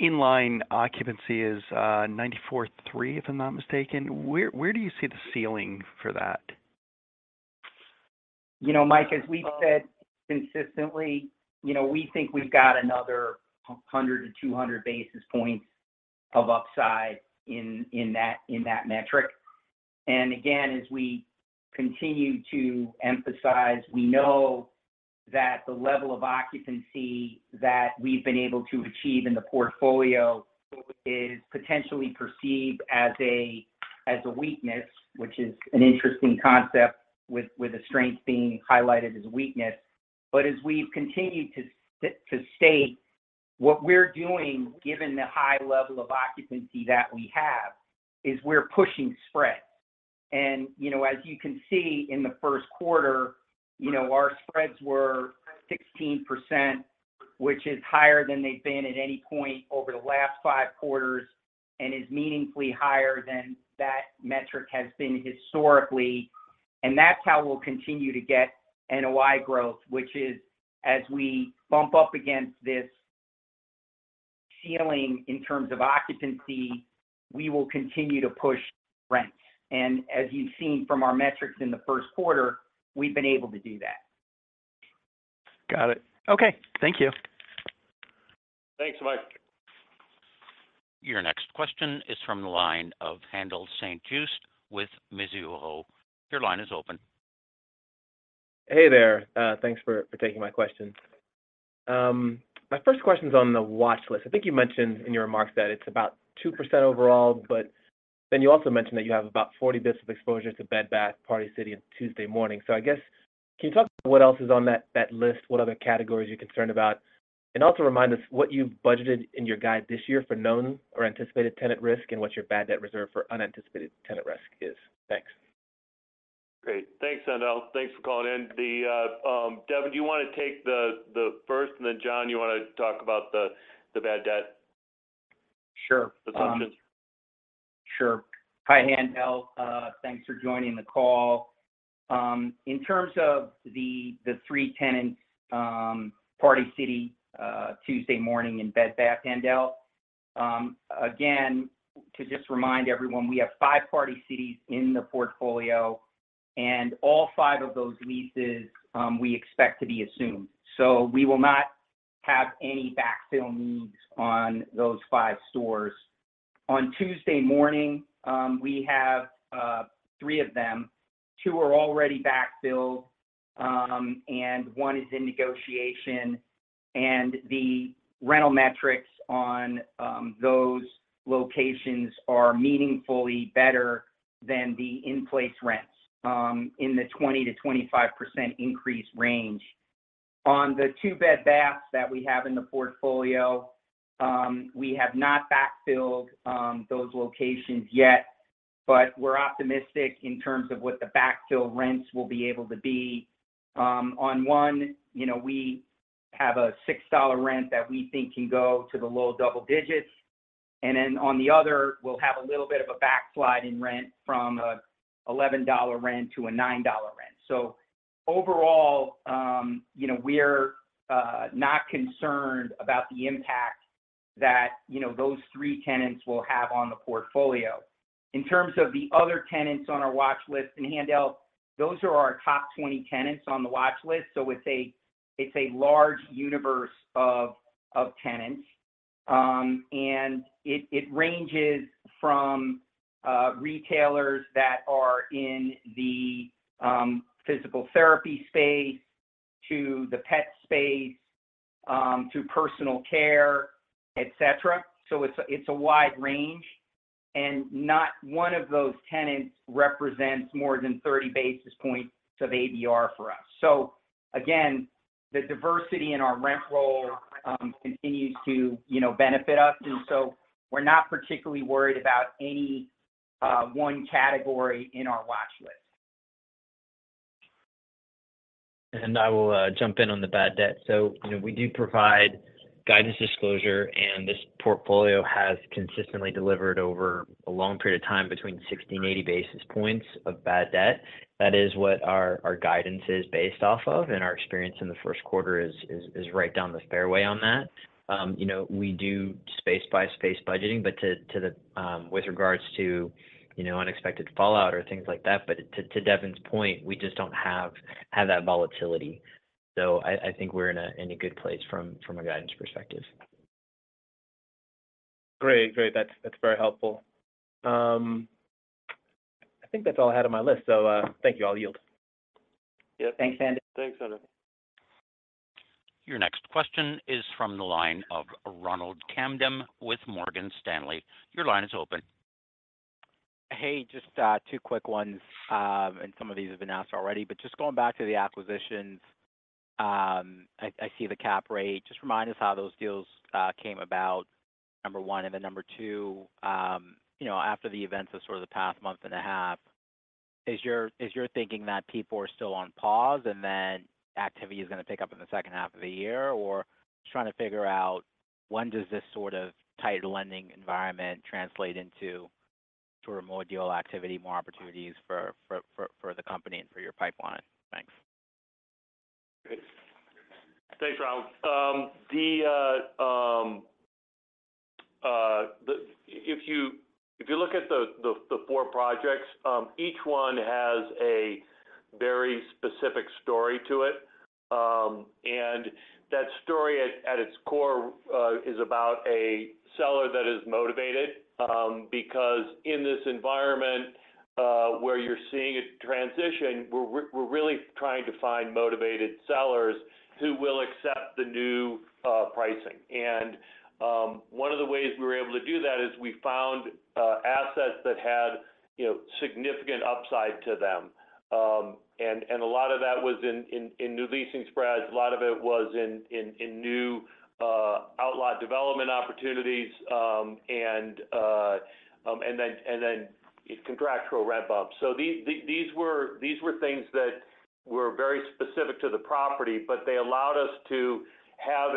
inline occupancy is 94.3%, if I'm not mistaken. Where do you see the ceiling for that? You know, Mike, as we've said consistently, you know, we think we've got another 100-200 basis points of upside in that metric. Again, as we continue to emphasize, that the level of occupancy that we've been able to achieve in the portfolio is potentially perceived as a weakness, which is an interesting concept with a strength being highlighted as a weakness. As we've continued to state what we're doing, given the high level of occupancy that we have, is we're pushing spreads. You know, as you can see in the first quarter, you know, our spreads were 16%, which is higher than they've been at any point over the last five quarters, and is meaningfully higher than that metric has been historically. That's how we'll continue to get NOI growth, which is as we bump up against this ceiling in terms of occupancy, we will continue to push rents. As you've seen from our metrics in the first quarter, we've been able to do that. Got it. Okay. Thank you. Thanks, Mike. Your next question is from the line of Haendel St. Juste with Mizuho. Your line is open. Hey there. Thanks for taking my questions. My first question's on the watch list. I think you mentioned in your remarks that it's about 2% overall. You also mentioned that you have about 40 basis points of exposure to Bed Bath, Party City, and Tuesday Morning. I guess, can you talk through what else is on that list, what other categories you're concerned about? Also remind us what you've budgeted in your guide this year for known or anticipated tenant risk, and what your bad debt reserve for unanticipated tenant risk is. Thanks. Great. Thanks, Haendel. Thanks for calling in. Devin, do you wanna take the first, and then John, you wanna talk about the bad debt? Sure. Hi, Haendel. Thanks for joining the call. In terms of the three tenants, Party City, Tuesday Morning, and Bed Bath & Beyond. Again, to just remind everyone, we have five Party Cities in the portfolio, and all five of those leases, we expect to be assumed. We will not have any backfill needs on those stores. On Tuesday Morning, we have three of them. Two are already backfilled, and one is in negotiation. The rental metrics on those locations are meaningfully better than the in-place rents, in the 20%-25% increase range. On the two Bed Baths that we have in the portfolio, we have not backfilled those locations yet, but we're optimistic in terms of what the backfill rents will be able to be. On one, you know, we have a $6 rent that we think can go to the low double digits. On the other, we'll have a little bit of a backslide in rent from a $11 rent to a $9 rent. Overall, you know, we're not concerned about the impact that, you know, those three tenants will have on the portfolio. In terms of the other tenants on our watch list in, Haendel, those are our top 20 tenants on the watch list. It's a large universe of tenants. And it ranges from retailers that are in the physical therapy space to the pet space, to personal care, etc. It's a wide range, and not one of those tenants represents more than 30 basis points of ABR for us. Again, the diversity in our rent roll continues to, you know, benefit us. We're not particularly worried about any one category in our watch list. I will jump in on the bad debt. You know, we do provide guidance disclosure, and this portfolio has consistently delivered over a long period of time between 60 and 80 basis points of bad debt. That is what our guidance is based off of, and our experience in the first quarter is right down the fairway on that. You know, we do space by space budgeting, with regards to, you know, unexpected fallout or things like that. To Devin's point, we just don't have that volatility. I think we're in a good place from a guidance perspective. Great. That's very helpful. I think that's all I had on my list. Thank you. I'll yield. Yeah. Thanks, Haendel. Thanks, Haendel. Your next question is from the line of Ronald Kamdem with Morgan Stanley. Your line is open. Hey, just two quick ones. Some of these have been asked already. Just going back to the acquisitions, I see the cap rate. Just remind us how those deals came about, number one. Number two, you know, after the events of sort of the past month and a half, is your thinking that people are still on pause and then activity is gonna pick up in the second half of the year? Just trying to figure out when does this sort of tighter lending environment translate into sort of more deal activity, more opportunities for the company and for your pipeline. Thanks. Thanks, Ronald. If you look at the four projects, each one has a very specific story to it. That story at its core is about a seller that is motivated. Because in this environment, where you're seeing a transition, we're really trying to find motivated sellers who will accept the new pricing. One of the ways we were able to do that is we found assets that had, you know, significant upside to them. A lot of that was in new leasing spreads. A lot of it was in new outlot development opportunities. Then contractual rent bumps. These were things that were very specific to the property, but they allowed us to have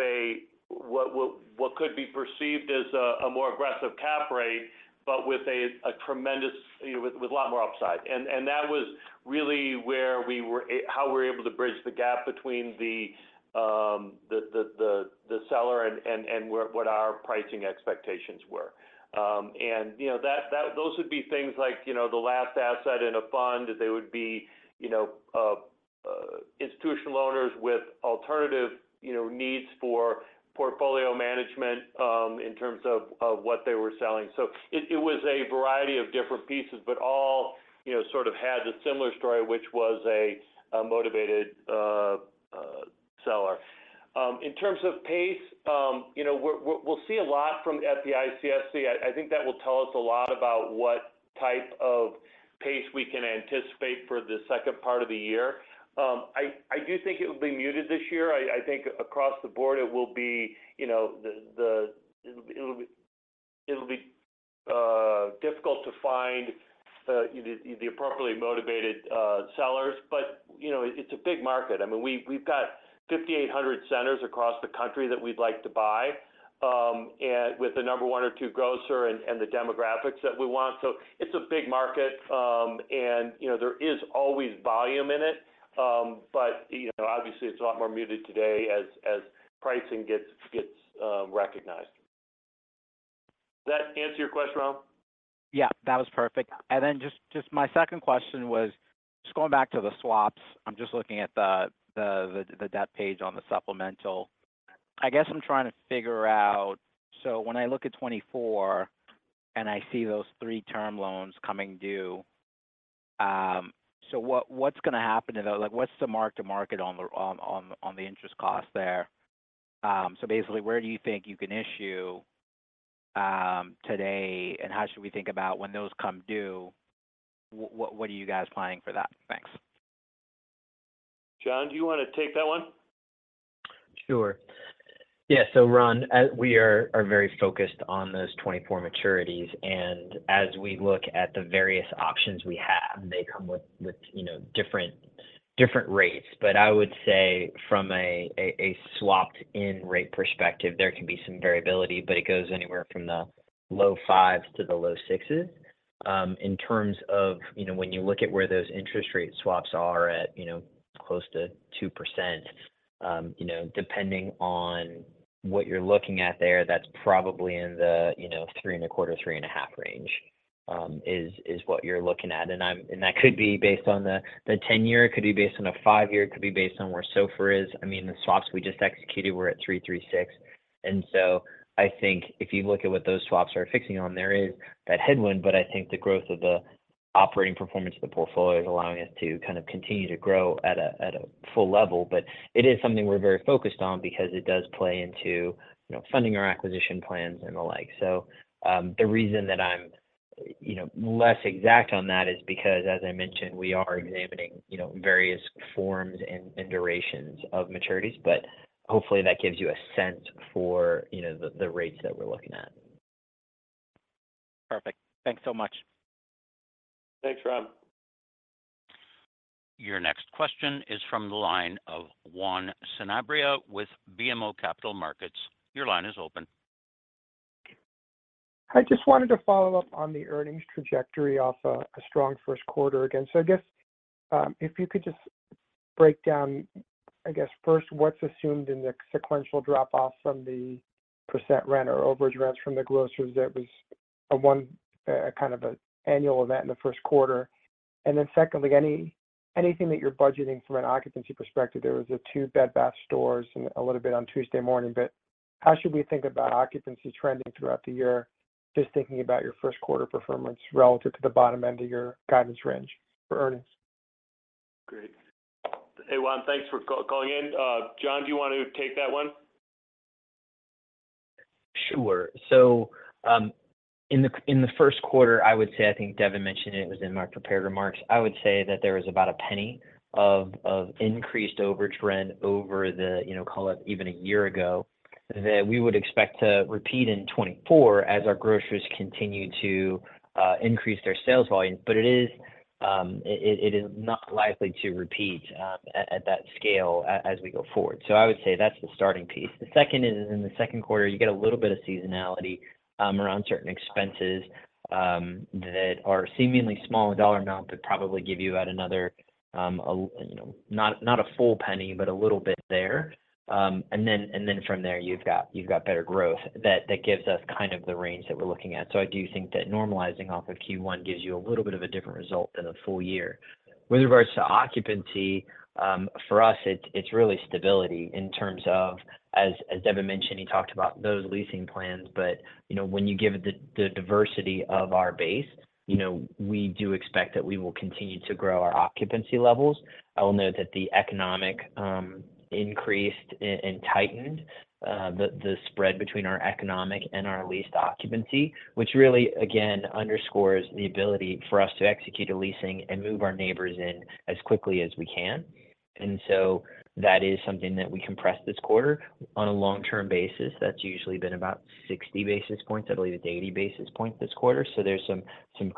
what could be perceived as a more aggressive cap rate, but with a tremendous, you know, with a lot more upside. That was really where we were how we were able to bridge the gap between the seller and what our pricing expectations were. And, you know, those would be things like, you know, the last asset in a fund. They would be, you know, institutional owners with alternative, you know, needs for portfolio management, in terms of what they were selling. It was a variety of different pieces, but all, you know, sort of had the similar story, which was a motivated seller. In terms of pace, you know, we'll see a lot from the FDIC. I think that will tell us a lot about what type of pace we can anticipate for the second part of the year. I do think it will be muted this year. I think across the board it will be, you know, difficult to find, you know, the appropriately motivated sellers. You know, it's a big market. I mean, we've got 5,800 centers across the country that we'd like to buy, and with the number one or two grocer and the demographics that we want. It's a big market, and you know, there is always volume in it. You know, obviously it's a lot more muted today as pricing gets recognized. Does that answer your question, Ron? Yeah, that was perfect. Just my second question was just going back to the swaps. I'm just looking at the debt page on the supplemental. I guess I'm trying to figure out... When I look at 2024 and I see those three term loans coming due, what's gonna happen to those? Like, what's the mark to market on the interest cost there? Basically where do you think you can issue today, and how should we think about when those come due? What are you guys planning for that? Thanks. John, do you want to take that one? Sure. So, Ron, as we are very focused on those 2024 maturities, and as we look at the various options we have, they come with, you know, different rates. I would say from a swapped in rate perspective, there can be some variability, but it goes anywhere from the low 5s to the low 6s. In terms of, you know, when you look at where those interest rate swaps are at, you know, close to 2%, you know, depending on what you're looking at there, that's probably in the, you know, 3.25%, 3.5% range, is what you're looking at. That could be based on the 10 year, it could be based on a five year, it could be based on where SOFR is. I mean, the swaps we just executed were at 3.36%. I think if you look at what those swaps are fixing on, there is that headwind. I think the growth of the operating performance of the portfolio is allowing us to kind of continue to grow at a full level. It is something we're very focused on because it does play into, you know, funding our acquisition plans and the like. The reason that I'm, you know, less exact on that is because as I mentioned, we are examining, you know, various forms and durations of maturities, but hopefully that gives you a sense for, you know, the rates that we're looking at. Perfect. Thanks so much. Thanks, Ron. Your next question is from the line of Juan Sanabria with BMO Capital Markets. Your line is open. I just wanted to follow up on the earnings trajectory off a strong first quarter again. I guess, if you could just break down, I guess first what's assumed in the sequential drop off from the % rent or overage rents from the grocers. That was a one kind of annual event in the first quarter. Secondly, anything that you're budgeting from an occupancy perspective. There was two Bed Bath stores and a little bit on Tuesday Morning, but how should we think about occupancy trending throughout the year, just thinking about your first quarter performance relative to the bottom end of your guidance range for earnings? Great. Hey, Juan, thanks for calling in. John, do you want to take that one? Sure. In the first quarter, I would say I think Devin mentioned it was in my prepared remarks. I would say that there was about $0.01 of increased overage rent over the, you know, call it even a year ago that we would expect to repeat in 2024 as our groceries continue to increase their sales volume. It is not likely to repeat at that scale as we go forward. I would say that's the starting piece. The second is in the second quarter, you get a little bit of seasonality around certain expenses that are seemingly small in dollar amount, but probably give you about another, you know, not a full $0.01, but a little bit there. Then from there you've got better growth. That gives us kind of the range that we're looking at. I do think that normalizing off of Q1 gives you a little bit of a different result than a full year. With regards to occupancy, for us it's really stability in terms of as Devin mentioned, he talked about those leasing plans. You know, when you give it the diversity of our base, you know, we do expect that we will continue to grow our occupancy levels. I will note that the economic increased and tightened the spread between our economic and our leased occupancy, which really again underscores the ability for us to execute a leasing and move our neighbors in as quickly as we can. That is something that we compressed this quarter. On a long-term basis, that's usually been about 60 basis points. I believe it's 80 basis points this quarter, so there's some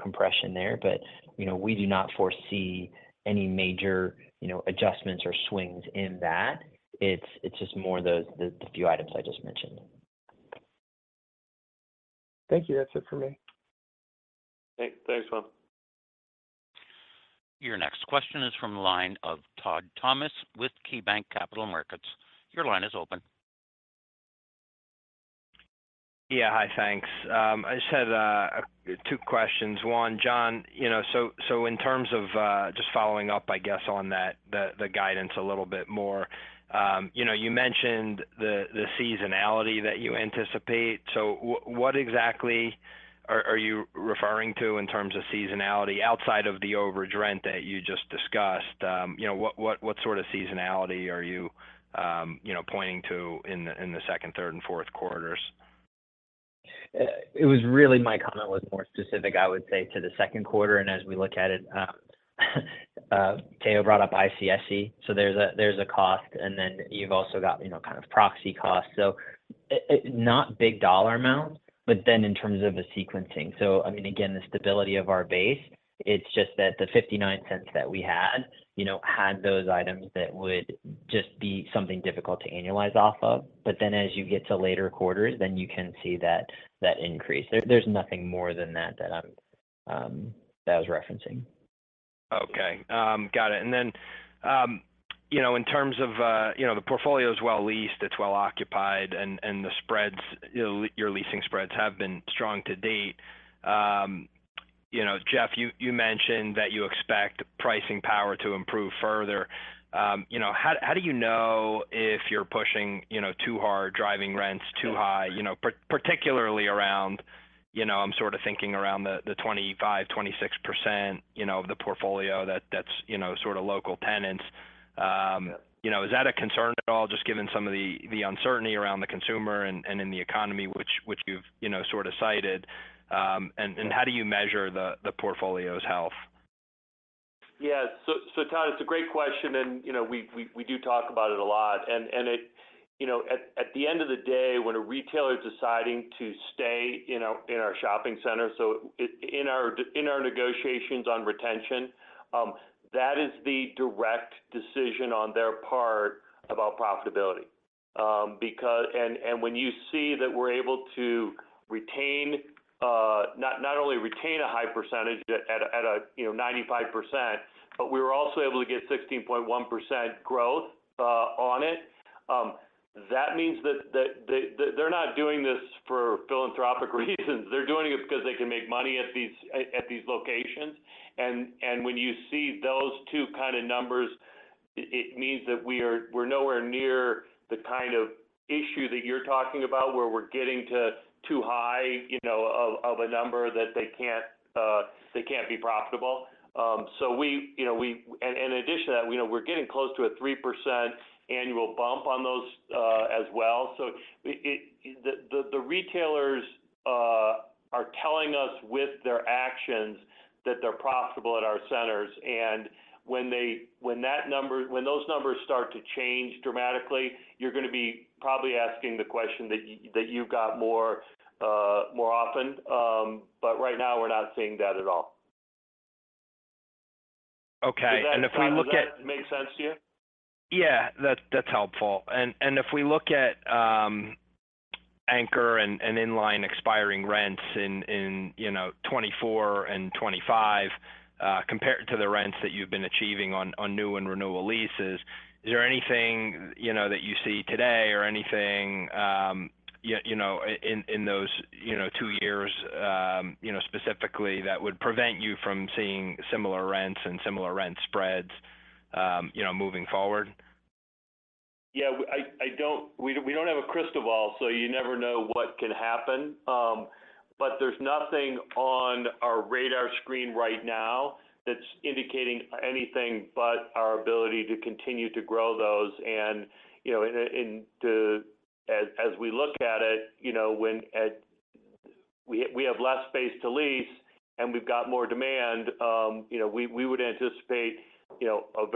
compression there. You know, we do not foresee any major, you know, adjustments or swings in that. It's just more the few items I just mentioned. Thank you. That's it for me. Okay. Thanks, Ron. Your next question is from the line of Todd Thomas with KeyBanc Capital Markets. Your line is open. Yeah. Hi. Thanks. I just had two questions. One, John, you know, so in terms of just following up, I guess, on that, the guidance a little bit more, you know, you mentioned the seasonality that you anticipate. What exactly are you referring to in terms of seasonality outside of the overage rent that you just discussed? You know, what sort of seasonality are you know, pointing to in the second, third and fourth quarters? It was really my comment was more specific, I would say, to the second quarter. As we look at it, Tayo brought up ICSC, there's a cost and you've also got, you know, kind of proxy costs. Not big dollar amounts, in terms of the sequencing. I mean, again, the stability of our base, it's just that the $0.59 that we had, you know, had those items that would just be something difficult to annualize off of. As you get to later quarters, you can see that increase. There's nothing more than that that I'm that I was referencing. Okay. Got it. You know, in terms of, you know, the portfolio is well leased, it's well occupied, and the spreads, you know, your leasing spreads have been strong to date. You know, Jeff, you mentioned that you expect pricing power to improve further. You know, how do you know if you're pushing, you know, too hard, driving rents too high, you know, particularly around, you know, I'm sort of thinking around the 25%, 26%, you know, of the portfolio that's, you know, sort of local tenants. You know, is that a concern at all just given some of the uncertainty around the consumer and in the economy which, you've, you know, sort of cited? How do you measure the portfolio's health? Yeah. Todd, it's a great question. It... You know, at the end of the day, when a retailer is deciding to stay in our shopping center, so in our negotiations on retention, that is the direct decision on their part about profitability. When you see that we're able to retain, not only retain a high percentage at a, you know, 95%, but we were also able to get 16.1% growth on it, that means that they're not doing this for philanthropic reasons. They're doing it because they can make money at these locations. When you see those two kind of numbers, it means that we're nowhere near the kind of issue that you're talking about, where we're getting to too high, you know, of a number that they can't, they can't be profitable. We, you know, we. In addition to that, you know, we're getting close to a 3% annual bump on those as well. The retailers are telling us with their actions that they're profitable at our centers. When those numbers start to change dramatically, you're gonna be probably asking the question that you've got more often. Right now we're not seeing that at all. Okay. if we look at- Does that, Todd, does that make sense to you? Yeah. That's helpful. If we look at anchor and inline expiring rents in, you know, 2024 and 2025, compared to the rents that you've been achieving on new and renewal leases, is there anything, you know, that you see today or anything, you know, in those, you know, two years, you know, specifically that would prevent you from seeing similar rents and similar rent spreads, you know, moving forward? Yeah. We don't have a crystal ball, so you never know what can happen. There's nothing on our radar screen right now that's indicating anything but our ability to continue to grow those. You know, as we look at it, you know, we have less space to lease and we've got more demand, you know, we would anticipate, you know,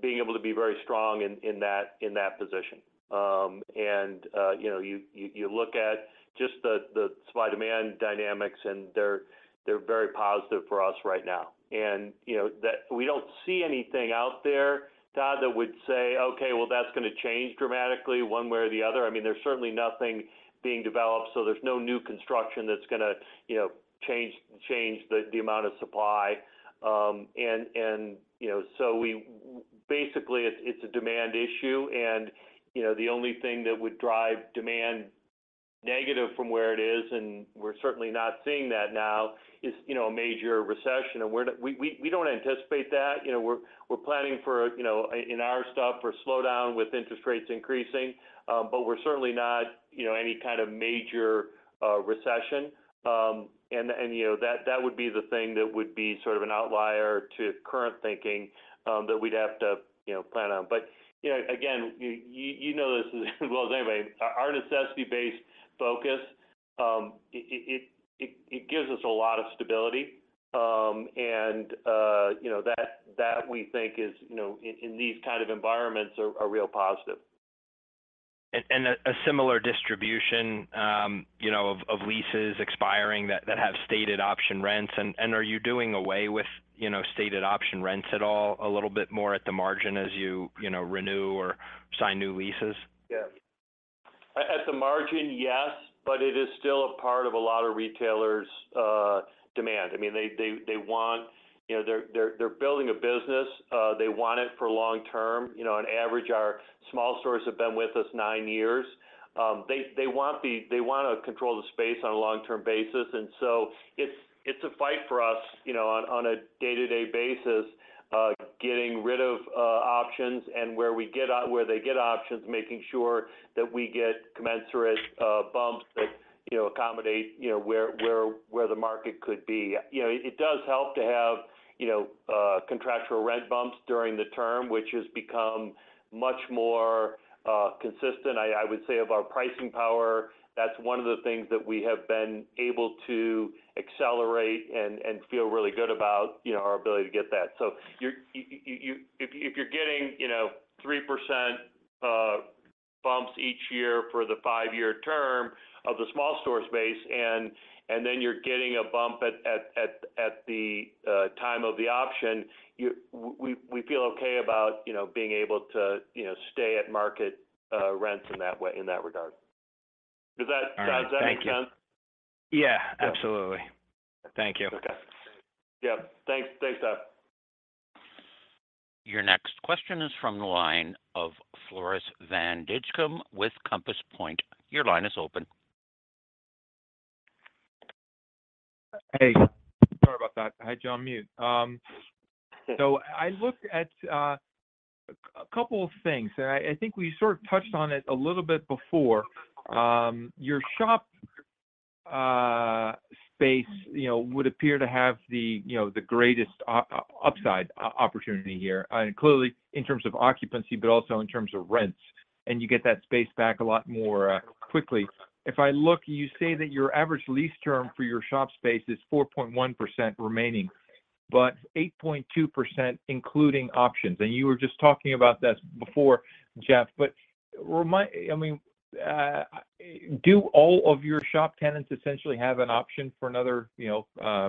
being able to be very strong in that position. You know, you look at just the supply demand dynamics, and they're very positive for us right now. You know, that we don't see anything out there, Todd, that would say, "Okay, well, that's gonna change dramatically one way or the other." I mean, there's certainly nothing being developed, so there's no new construction that's gonna, you know, change the amount of supply. You know, basically it's a demand issue. You know, the only thing that would drive demand negative from where it is, and we're certainly not seeing that now, is, you know, a major recession. We don't anticipate that. You know, we're planning for, you know, in our stuff for a slowdown with interest rates increasing. We're certainly not, you know, any kind of major recession. you know, that would be the thing that would be sort of an outlier to current thinking, that we'd have to, you know, plan on. you know, again, you know this as well as anybody. Our, our necessity-based focus, it gives us a lot of stability. you know, that we think is, you know, in these kind of environments are real positive. A similar distribution, you know, of leases expiring that have stated option rents. Are you doing away with, you know, stated option rents at all a little bit more at the margin as you know, renew or sign new leases? Yes. At the margin, yes. It is still a part of a lot of retailers' demand. I mean, you know, they're building a business, they want it for long term. You know, on average, our small stores have been with us 9 years. They wanna control the space on a long-term basis. It's a fight for us, you know, on a day-to-day basis, getting rid of options. Where they get options, making sure that we get commensurate bumps that, you know, accommodate, you know, where the market could be. You know, it does help to have, you know, contractual rent bumps during the term, which has become much more consistent, I would say of our pricing power. That's one of the things that we have been able to accelerate and feel really good about, you know, our ability to get that. If you're getting, you know, 3% bumps each year for the five-year term of the small store space and then you're getting a bump at the time of the option, we feel okay about, you know, being able to, you know, stay at market rents in that way, in that regard. Does that? All right. Thank you. Does that make sense? Yeah. Absolutely. Thank you. Okay. Yeah. Thanks, Todd. Your next question is from the line of Floris van Dijkum with Compass Point. Your line is open. Hey. Sorry about that. I had you on mute. I look at a couple of things. I think we sort of touched on it a little bit before. Your shop space, you know, would appear to have the, you know, the greatest upside opportunity here, clearly in terms of occupancy, but also in terms of rents. You get that space back a lot more quickly. If I look, you say that your average lease term for your shop space is 4.1% remaining, but 8.2% including options. You were just talking about this before, Jeff. I mean, do all of your shop tenants essentially have an option for another, you know,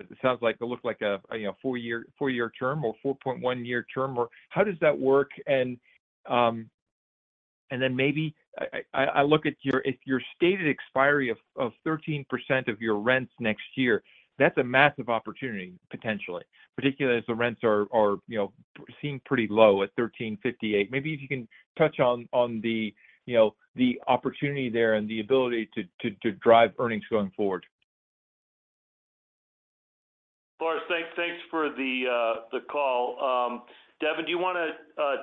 it sounds like it looked like a, you know, four year term or 4.1 year term or how does that work? Then maybe I look at your if your stated expiry of 13% of your rents next year, that's a massive opportunity potentially, particularly as the rents are, you know, seem pretty low at $13.58. Maybe if you can touch on the, you know, the opportunity there and the ability to drive earnings going forward. Floris, thanks for the call. Devin, do you wanna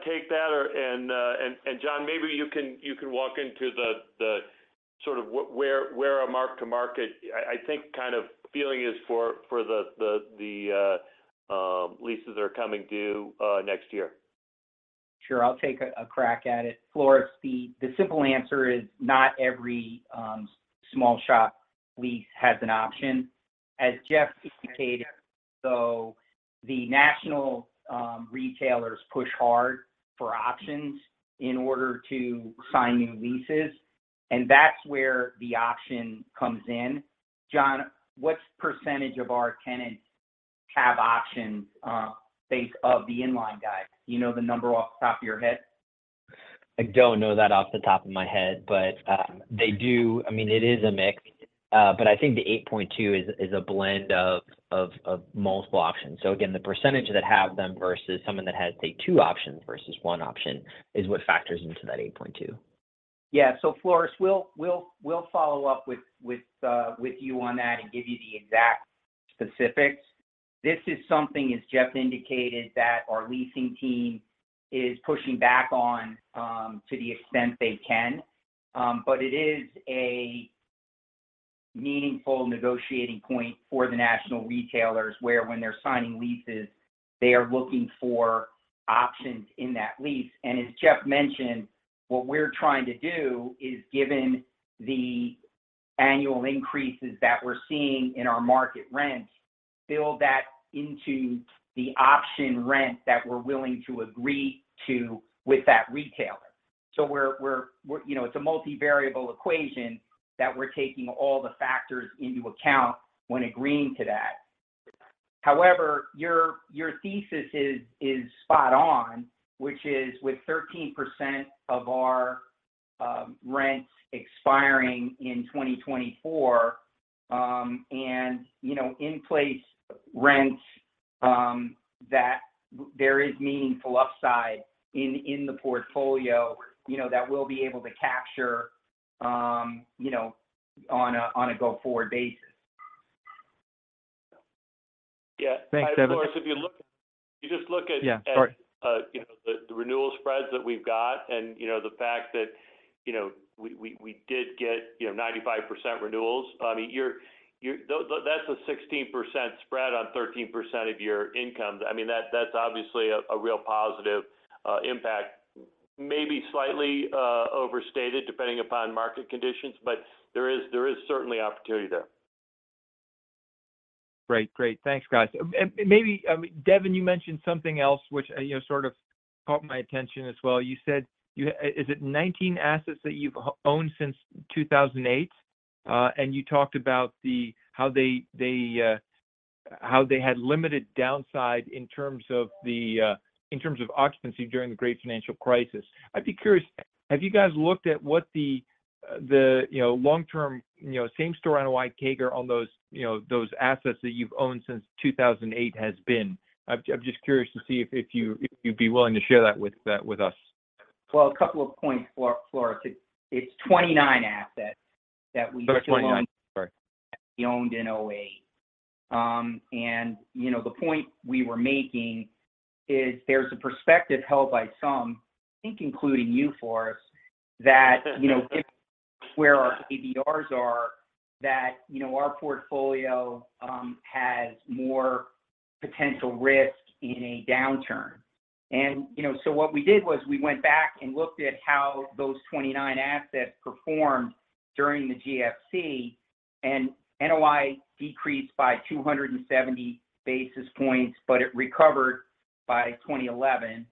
take that? And John, maybe you can walk into the sort of where our mark to market, I think kind of feeling is for the leases that are coming due next year. Sure. I'll take a crack at it. Floris, the simple answer is not every small shop lease has an option. As Jeff indicated, so the national retailers push hard for options in order to sign new leases, and that's where the option comes in. John, what percentage of our tenants have options, based off the inline guide? Do you know the number off the top of your head? I don't know that off the top of my head, but they do. I mean, it is a mix. I think the 8.2 is a blend of multiple options. Again, the percentage that have them versus someone that has, say, two options versus one option is what factors into that 8.2. Yeah. Floris, we'll follow up with you on that and give you the exact specifics. This is something, as Jeff indicated, that our leasing team is pushing back on to the extent they can. But it is a meaningful negotiating point for the national retailers where when they're signing leases, they are looking for options in that lease. As Jeff mentioned, what we're trying to do is given the annual increases that we're seeing in our market rents, build that into the option rent that we're willing to agree to with that retailer. We're you know, it's a multi-variable equation that we're taking all the factors into account when agreeing to that. Your thesis is spot on, which is with 13% of our rents expiring in 2024, and, you know, in place rents, that there is meaningful upside in the portfolio, you know, that we'll be able to capture, you know, on a go-forward basis. Yeah. Thanks, Devin. If you just look, you know, the renewal spreads that we've got, and, you know, the fact that, you know, we did get, you know, 95% renewals. I mean, that's a 16% spread on 13% of your income. I mean, that's obviously a real positive impact. Maybe slightly overstated depending upon market conditions, there is certainly opportunity there. Great. Thanks, guys. Maybe, Devin, you mentioned something else which, you know, sort of caught my attention as well. You said is it 19 assets that you've owned since 2008? You talked about how they had limited downside in terms of occupancy during the Great Financial Crisis. I'd be curious, have you guys looked at what the long term, you know, same store NOI CAGR on those, you know, those assets that you've owned since 2008 has been? I'm just curious to see if you, if you'd be willing to share that with us. Well, a couple of points, Floris. It's 29 assets that- 29. Sorry. We owned in 2008. you know, the point we were making is there's a perspective held by some, I think including you, Floris, that, you know, given where our ABRs are, that, you know, our portfolio has more potential risk in a downturn. you know, what we did was we went back and looked at how those 29 assets performed during the GFC, and NOI decreased by 270 basis points, but it recovered by 2011.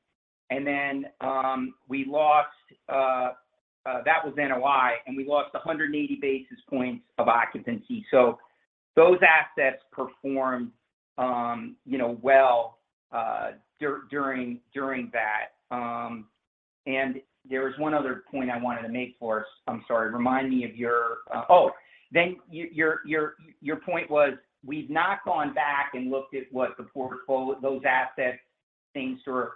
Then, we lost, that was NOI, and we lost 180 basis points of occupancy. Those assets performed, you know, well during that. There was one other point I wanted to make, Floris. Then, your point was we've not gone back and looked at what those assets same store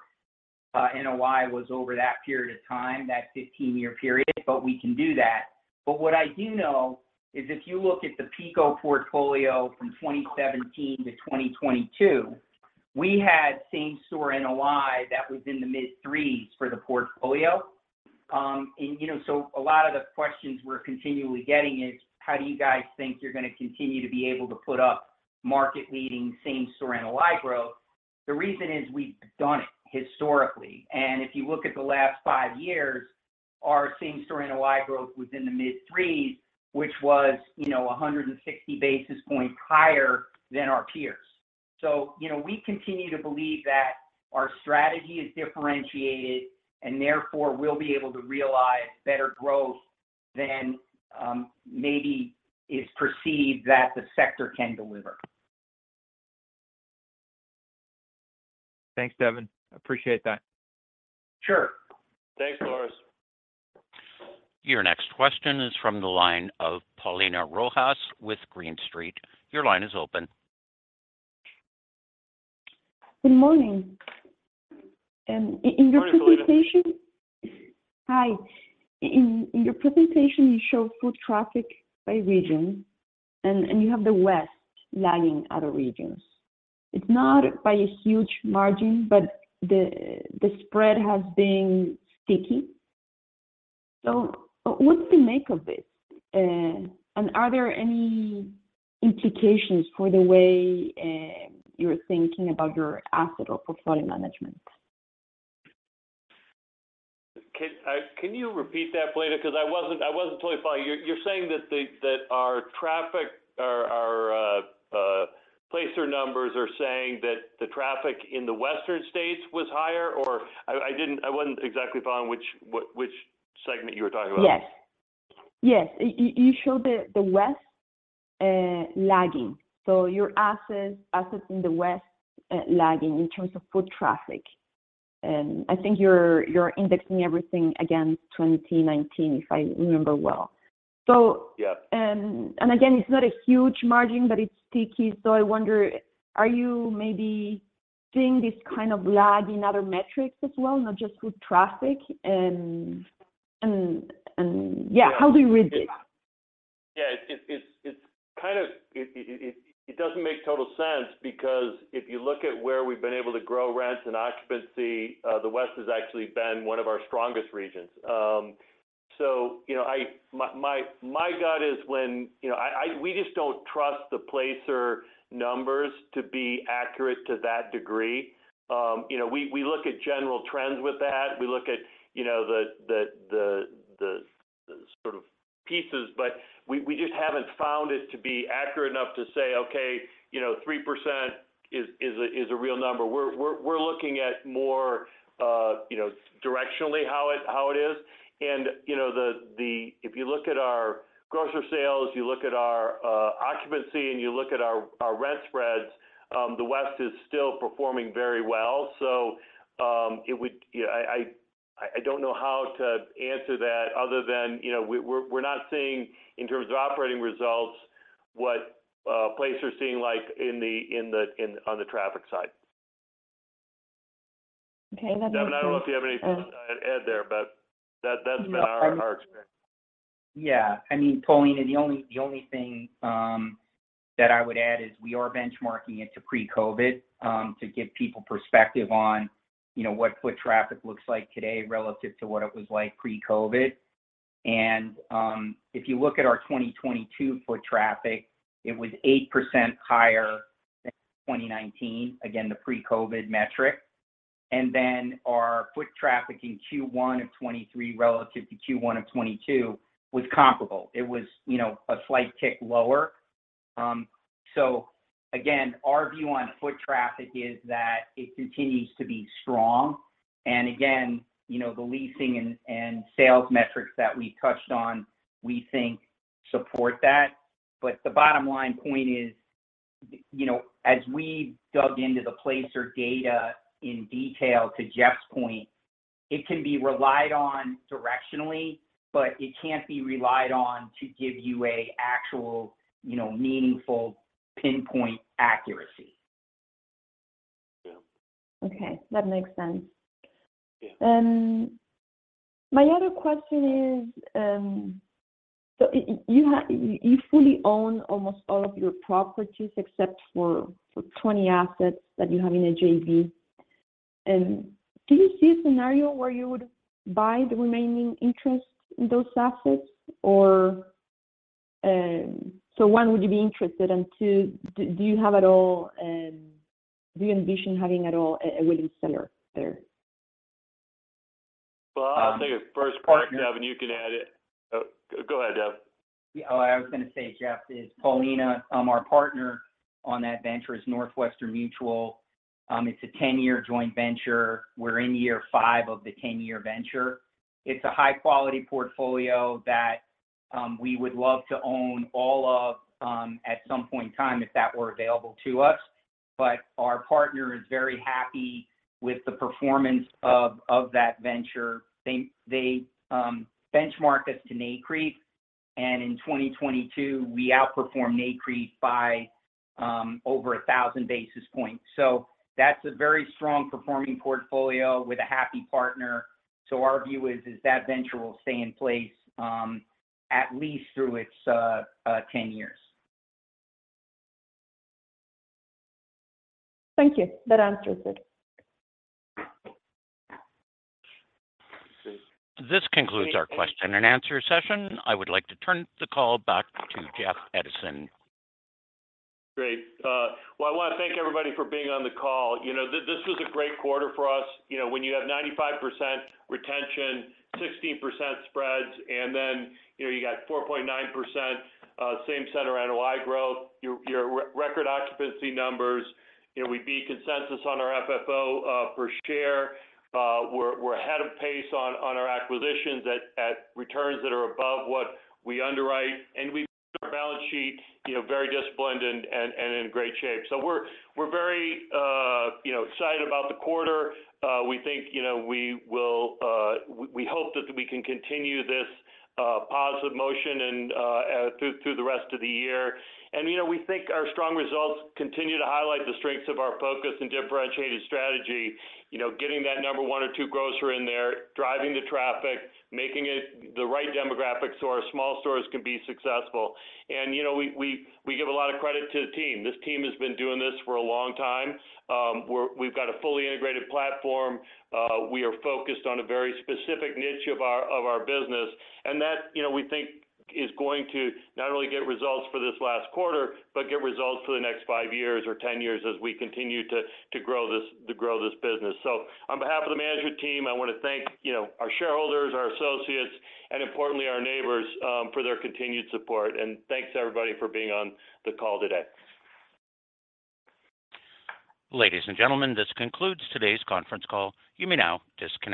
NOI was over that period of time, that 15-year period, we can do that. What I do know is if you look at the PECO portfolio from 2017-2022, we had same store NOI that was in the mid-3s for the portfolio. You know, a lot of the questions we're continually getting is, "How do you guys think you're gonna continue to be able to put up market leading same store NOI growth?" The reason is we've done it historically. If you look at the last five years, our same store NOI growth was in the mid-3s, which was, you know, 160 basis points higher than our peers. You know, we continue to believe that our strategy is differentiated, and therefore we'll be able to realize better growth than maybe is perceived that the sector can deliver. Thanks, Devin. Appreciate that. Sure. Thanks, Floris. Your next question is from the line of Paulina Rojas with Green Street. Your line is open. Good morning. In your presentation. Good morning, Paulina. Hi. In your presentation, you show foot traffic by region, and you have the West lagging other regions. It's not by a huge margin, but the spread has been sticky. What's the make of this? And are there any implications for the way you're thinking about your asset or portfolio management? Can you repeat that, Paulina? I wasn't totally following. You're saying that our traffic or our Placer.ai numbers are saying that the traffic in the western states was higher, or I wasn't exactly following which, what, which segment you were talking about? Yes, you showed the west lagging. Your assets in the west lagging in terms of foot traffic. I think you're indexing everything against 2019, if I remember well. Yeah. Again, it's not a huge margin, but it's sticky. I wonder, are you maybe seeing this kind of lag in other metrics as well, not just foot traffic? Yeah, how do you read this? Yeah. It's kind of... It doesn't make total sense because if you look at where we've been able to grow rents and occupancy, the west has actually been one of our strongest regions. You know, my gut is when, you know... we just don't trust the placer numbers to be accurate to that degree. You know, we look at general trends with that. We look at, you know, the sort of pieces, but we just haven't found it to be accurate enough to say, "Okay, you know, 3% is a real number." We're looking at more, you know, directionally how it is. If you look at our grocery sales, you look at our occupancy, and you look at our rent spreads, the west is still performing very well. You know, I don't know how to answer that other than, you know, we're not seeing in terms of operating results what placer's seeing like in the, in the, on the traffic side. Okay. That makes sense. Devin, I don't know if you have anything to add there, but that's been our experience. Yeah. I mean, Paulina, the only thing that I would add is we are benchmarking it to pre-COVID to give people perspective on, you know, what foot traffic looks like today relative to what it was like pre-COVID. If you look at our 2022 foot traffic, it was 8% higher than 2019, again, the pre-COVID metric. Our foot traffic in Q1 of 2023 relative to Q1 of 2022 was comparable. It was, you know, a slight tick lower. Again, our view on foot traffic is that it continues to be strong. Again, you know, the leasing and sales metrics that we touched on, we think support that. The bottom line point is, you know, as we dug into the placer data in detail to Jeff's point, it can be relied on directionally, but it can't be relied on to give you a actual, you know, meaningful pinpoint accuracy. Yeah. Okay. That makes sense. Yeah. My other question is, so you fully own almost all of your properties except for 20 assets that you have in a JV. Do you see a scenario where you would buy the remaining interest in those assets? Or... One, would you be interested? Two, do you have at all, do you envision having at all a winning seller there? Well, I'll take the first part, Devin, you can add it. Go ahead, Dev. Yeah. I was gonna say, Jeff, is Paulina, our partner on that venture is Northwestern Mutual. It's a 10-year joint venture. We're in year 5 of the 10-year venture. It's a high quality portfolio that we would love to own all of at some point in time if that were available to us. Our partner is very happy with the performance of that venture. They benchmark us to Nareit, and in 2022, we outperformed Nareit by over 1,000 basis points. That's a very strong performing portfolio with a happy partner. Our view is that venture will stay in place at least through its 10 years. Thank you. That answers it. This concludes our question-and answer-session. I would like to turn the call back to Jeff Edison. Great. Well, I wanna thank everybody for being on the call. You know, this was a great quarter for us. You know, when you have 95% retention, 16% spreads, and then, you know, you got 4.9% same center NOI growth, your record occupancy numbers, you know, we beat consensus on our FFO per share. We're ahead of pace on our acquisitions at returns that are above what we underwrite. We've been our balance sheet, you know, very disciplined and in great shape. We're very, you know, excited about the quarter. We think, you know, we will, we hope that we can continue this positive motion and through the rest of the year. You know, we think our strong results continue to highlight the strengths of our focus and differentiated strategy. You know, getting that number one or two grocer in there, driving the traffic, making it the right demographic so our small stores can be successful. You know, we give a lot of credit to the team. This team has been doing this for a long time. We've got a fully integrated platform. We are focused on a very specific niche of our business, and that, you know, we think is going to not only get results for this last quarter, but get results for the next 5 years or 10 years as we continue to grow this business. On behalf of the management team, I wanna thank, you know, our shareholders, our associates, and importantly, our neighbors, for their continued support. Thanks everybody for being on the call today. Ladies and gentlemen, this concludes today's conference call. You may now disconnect.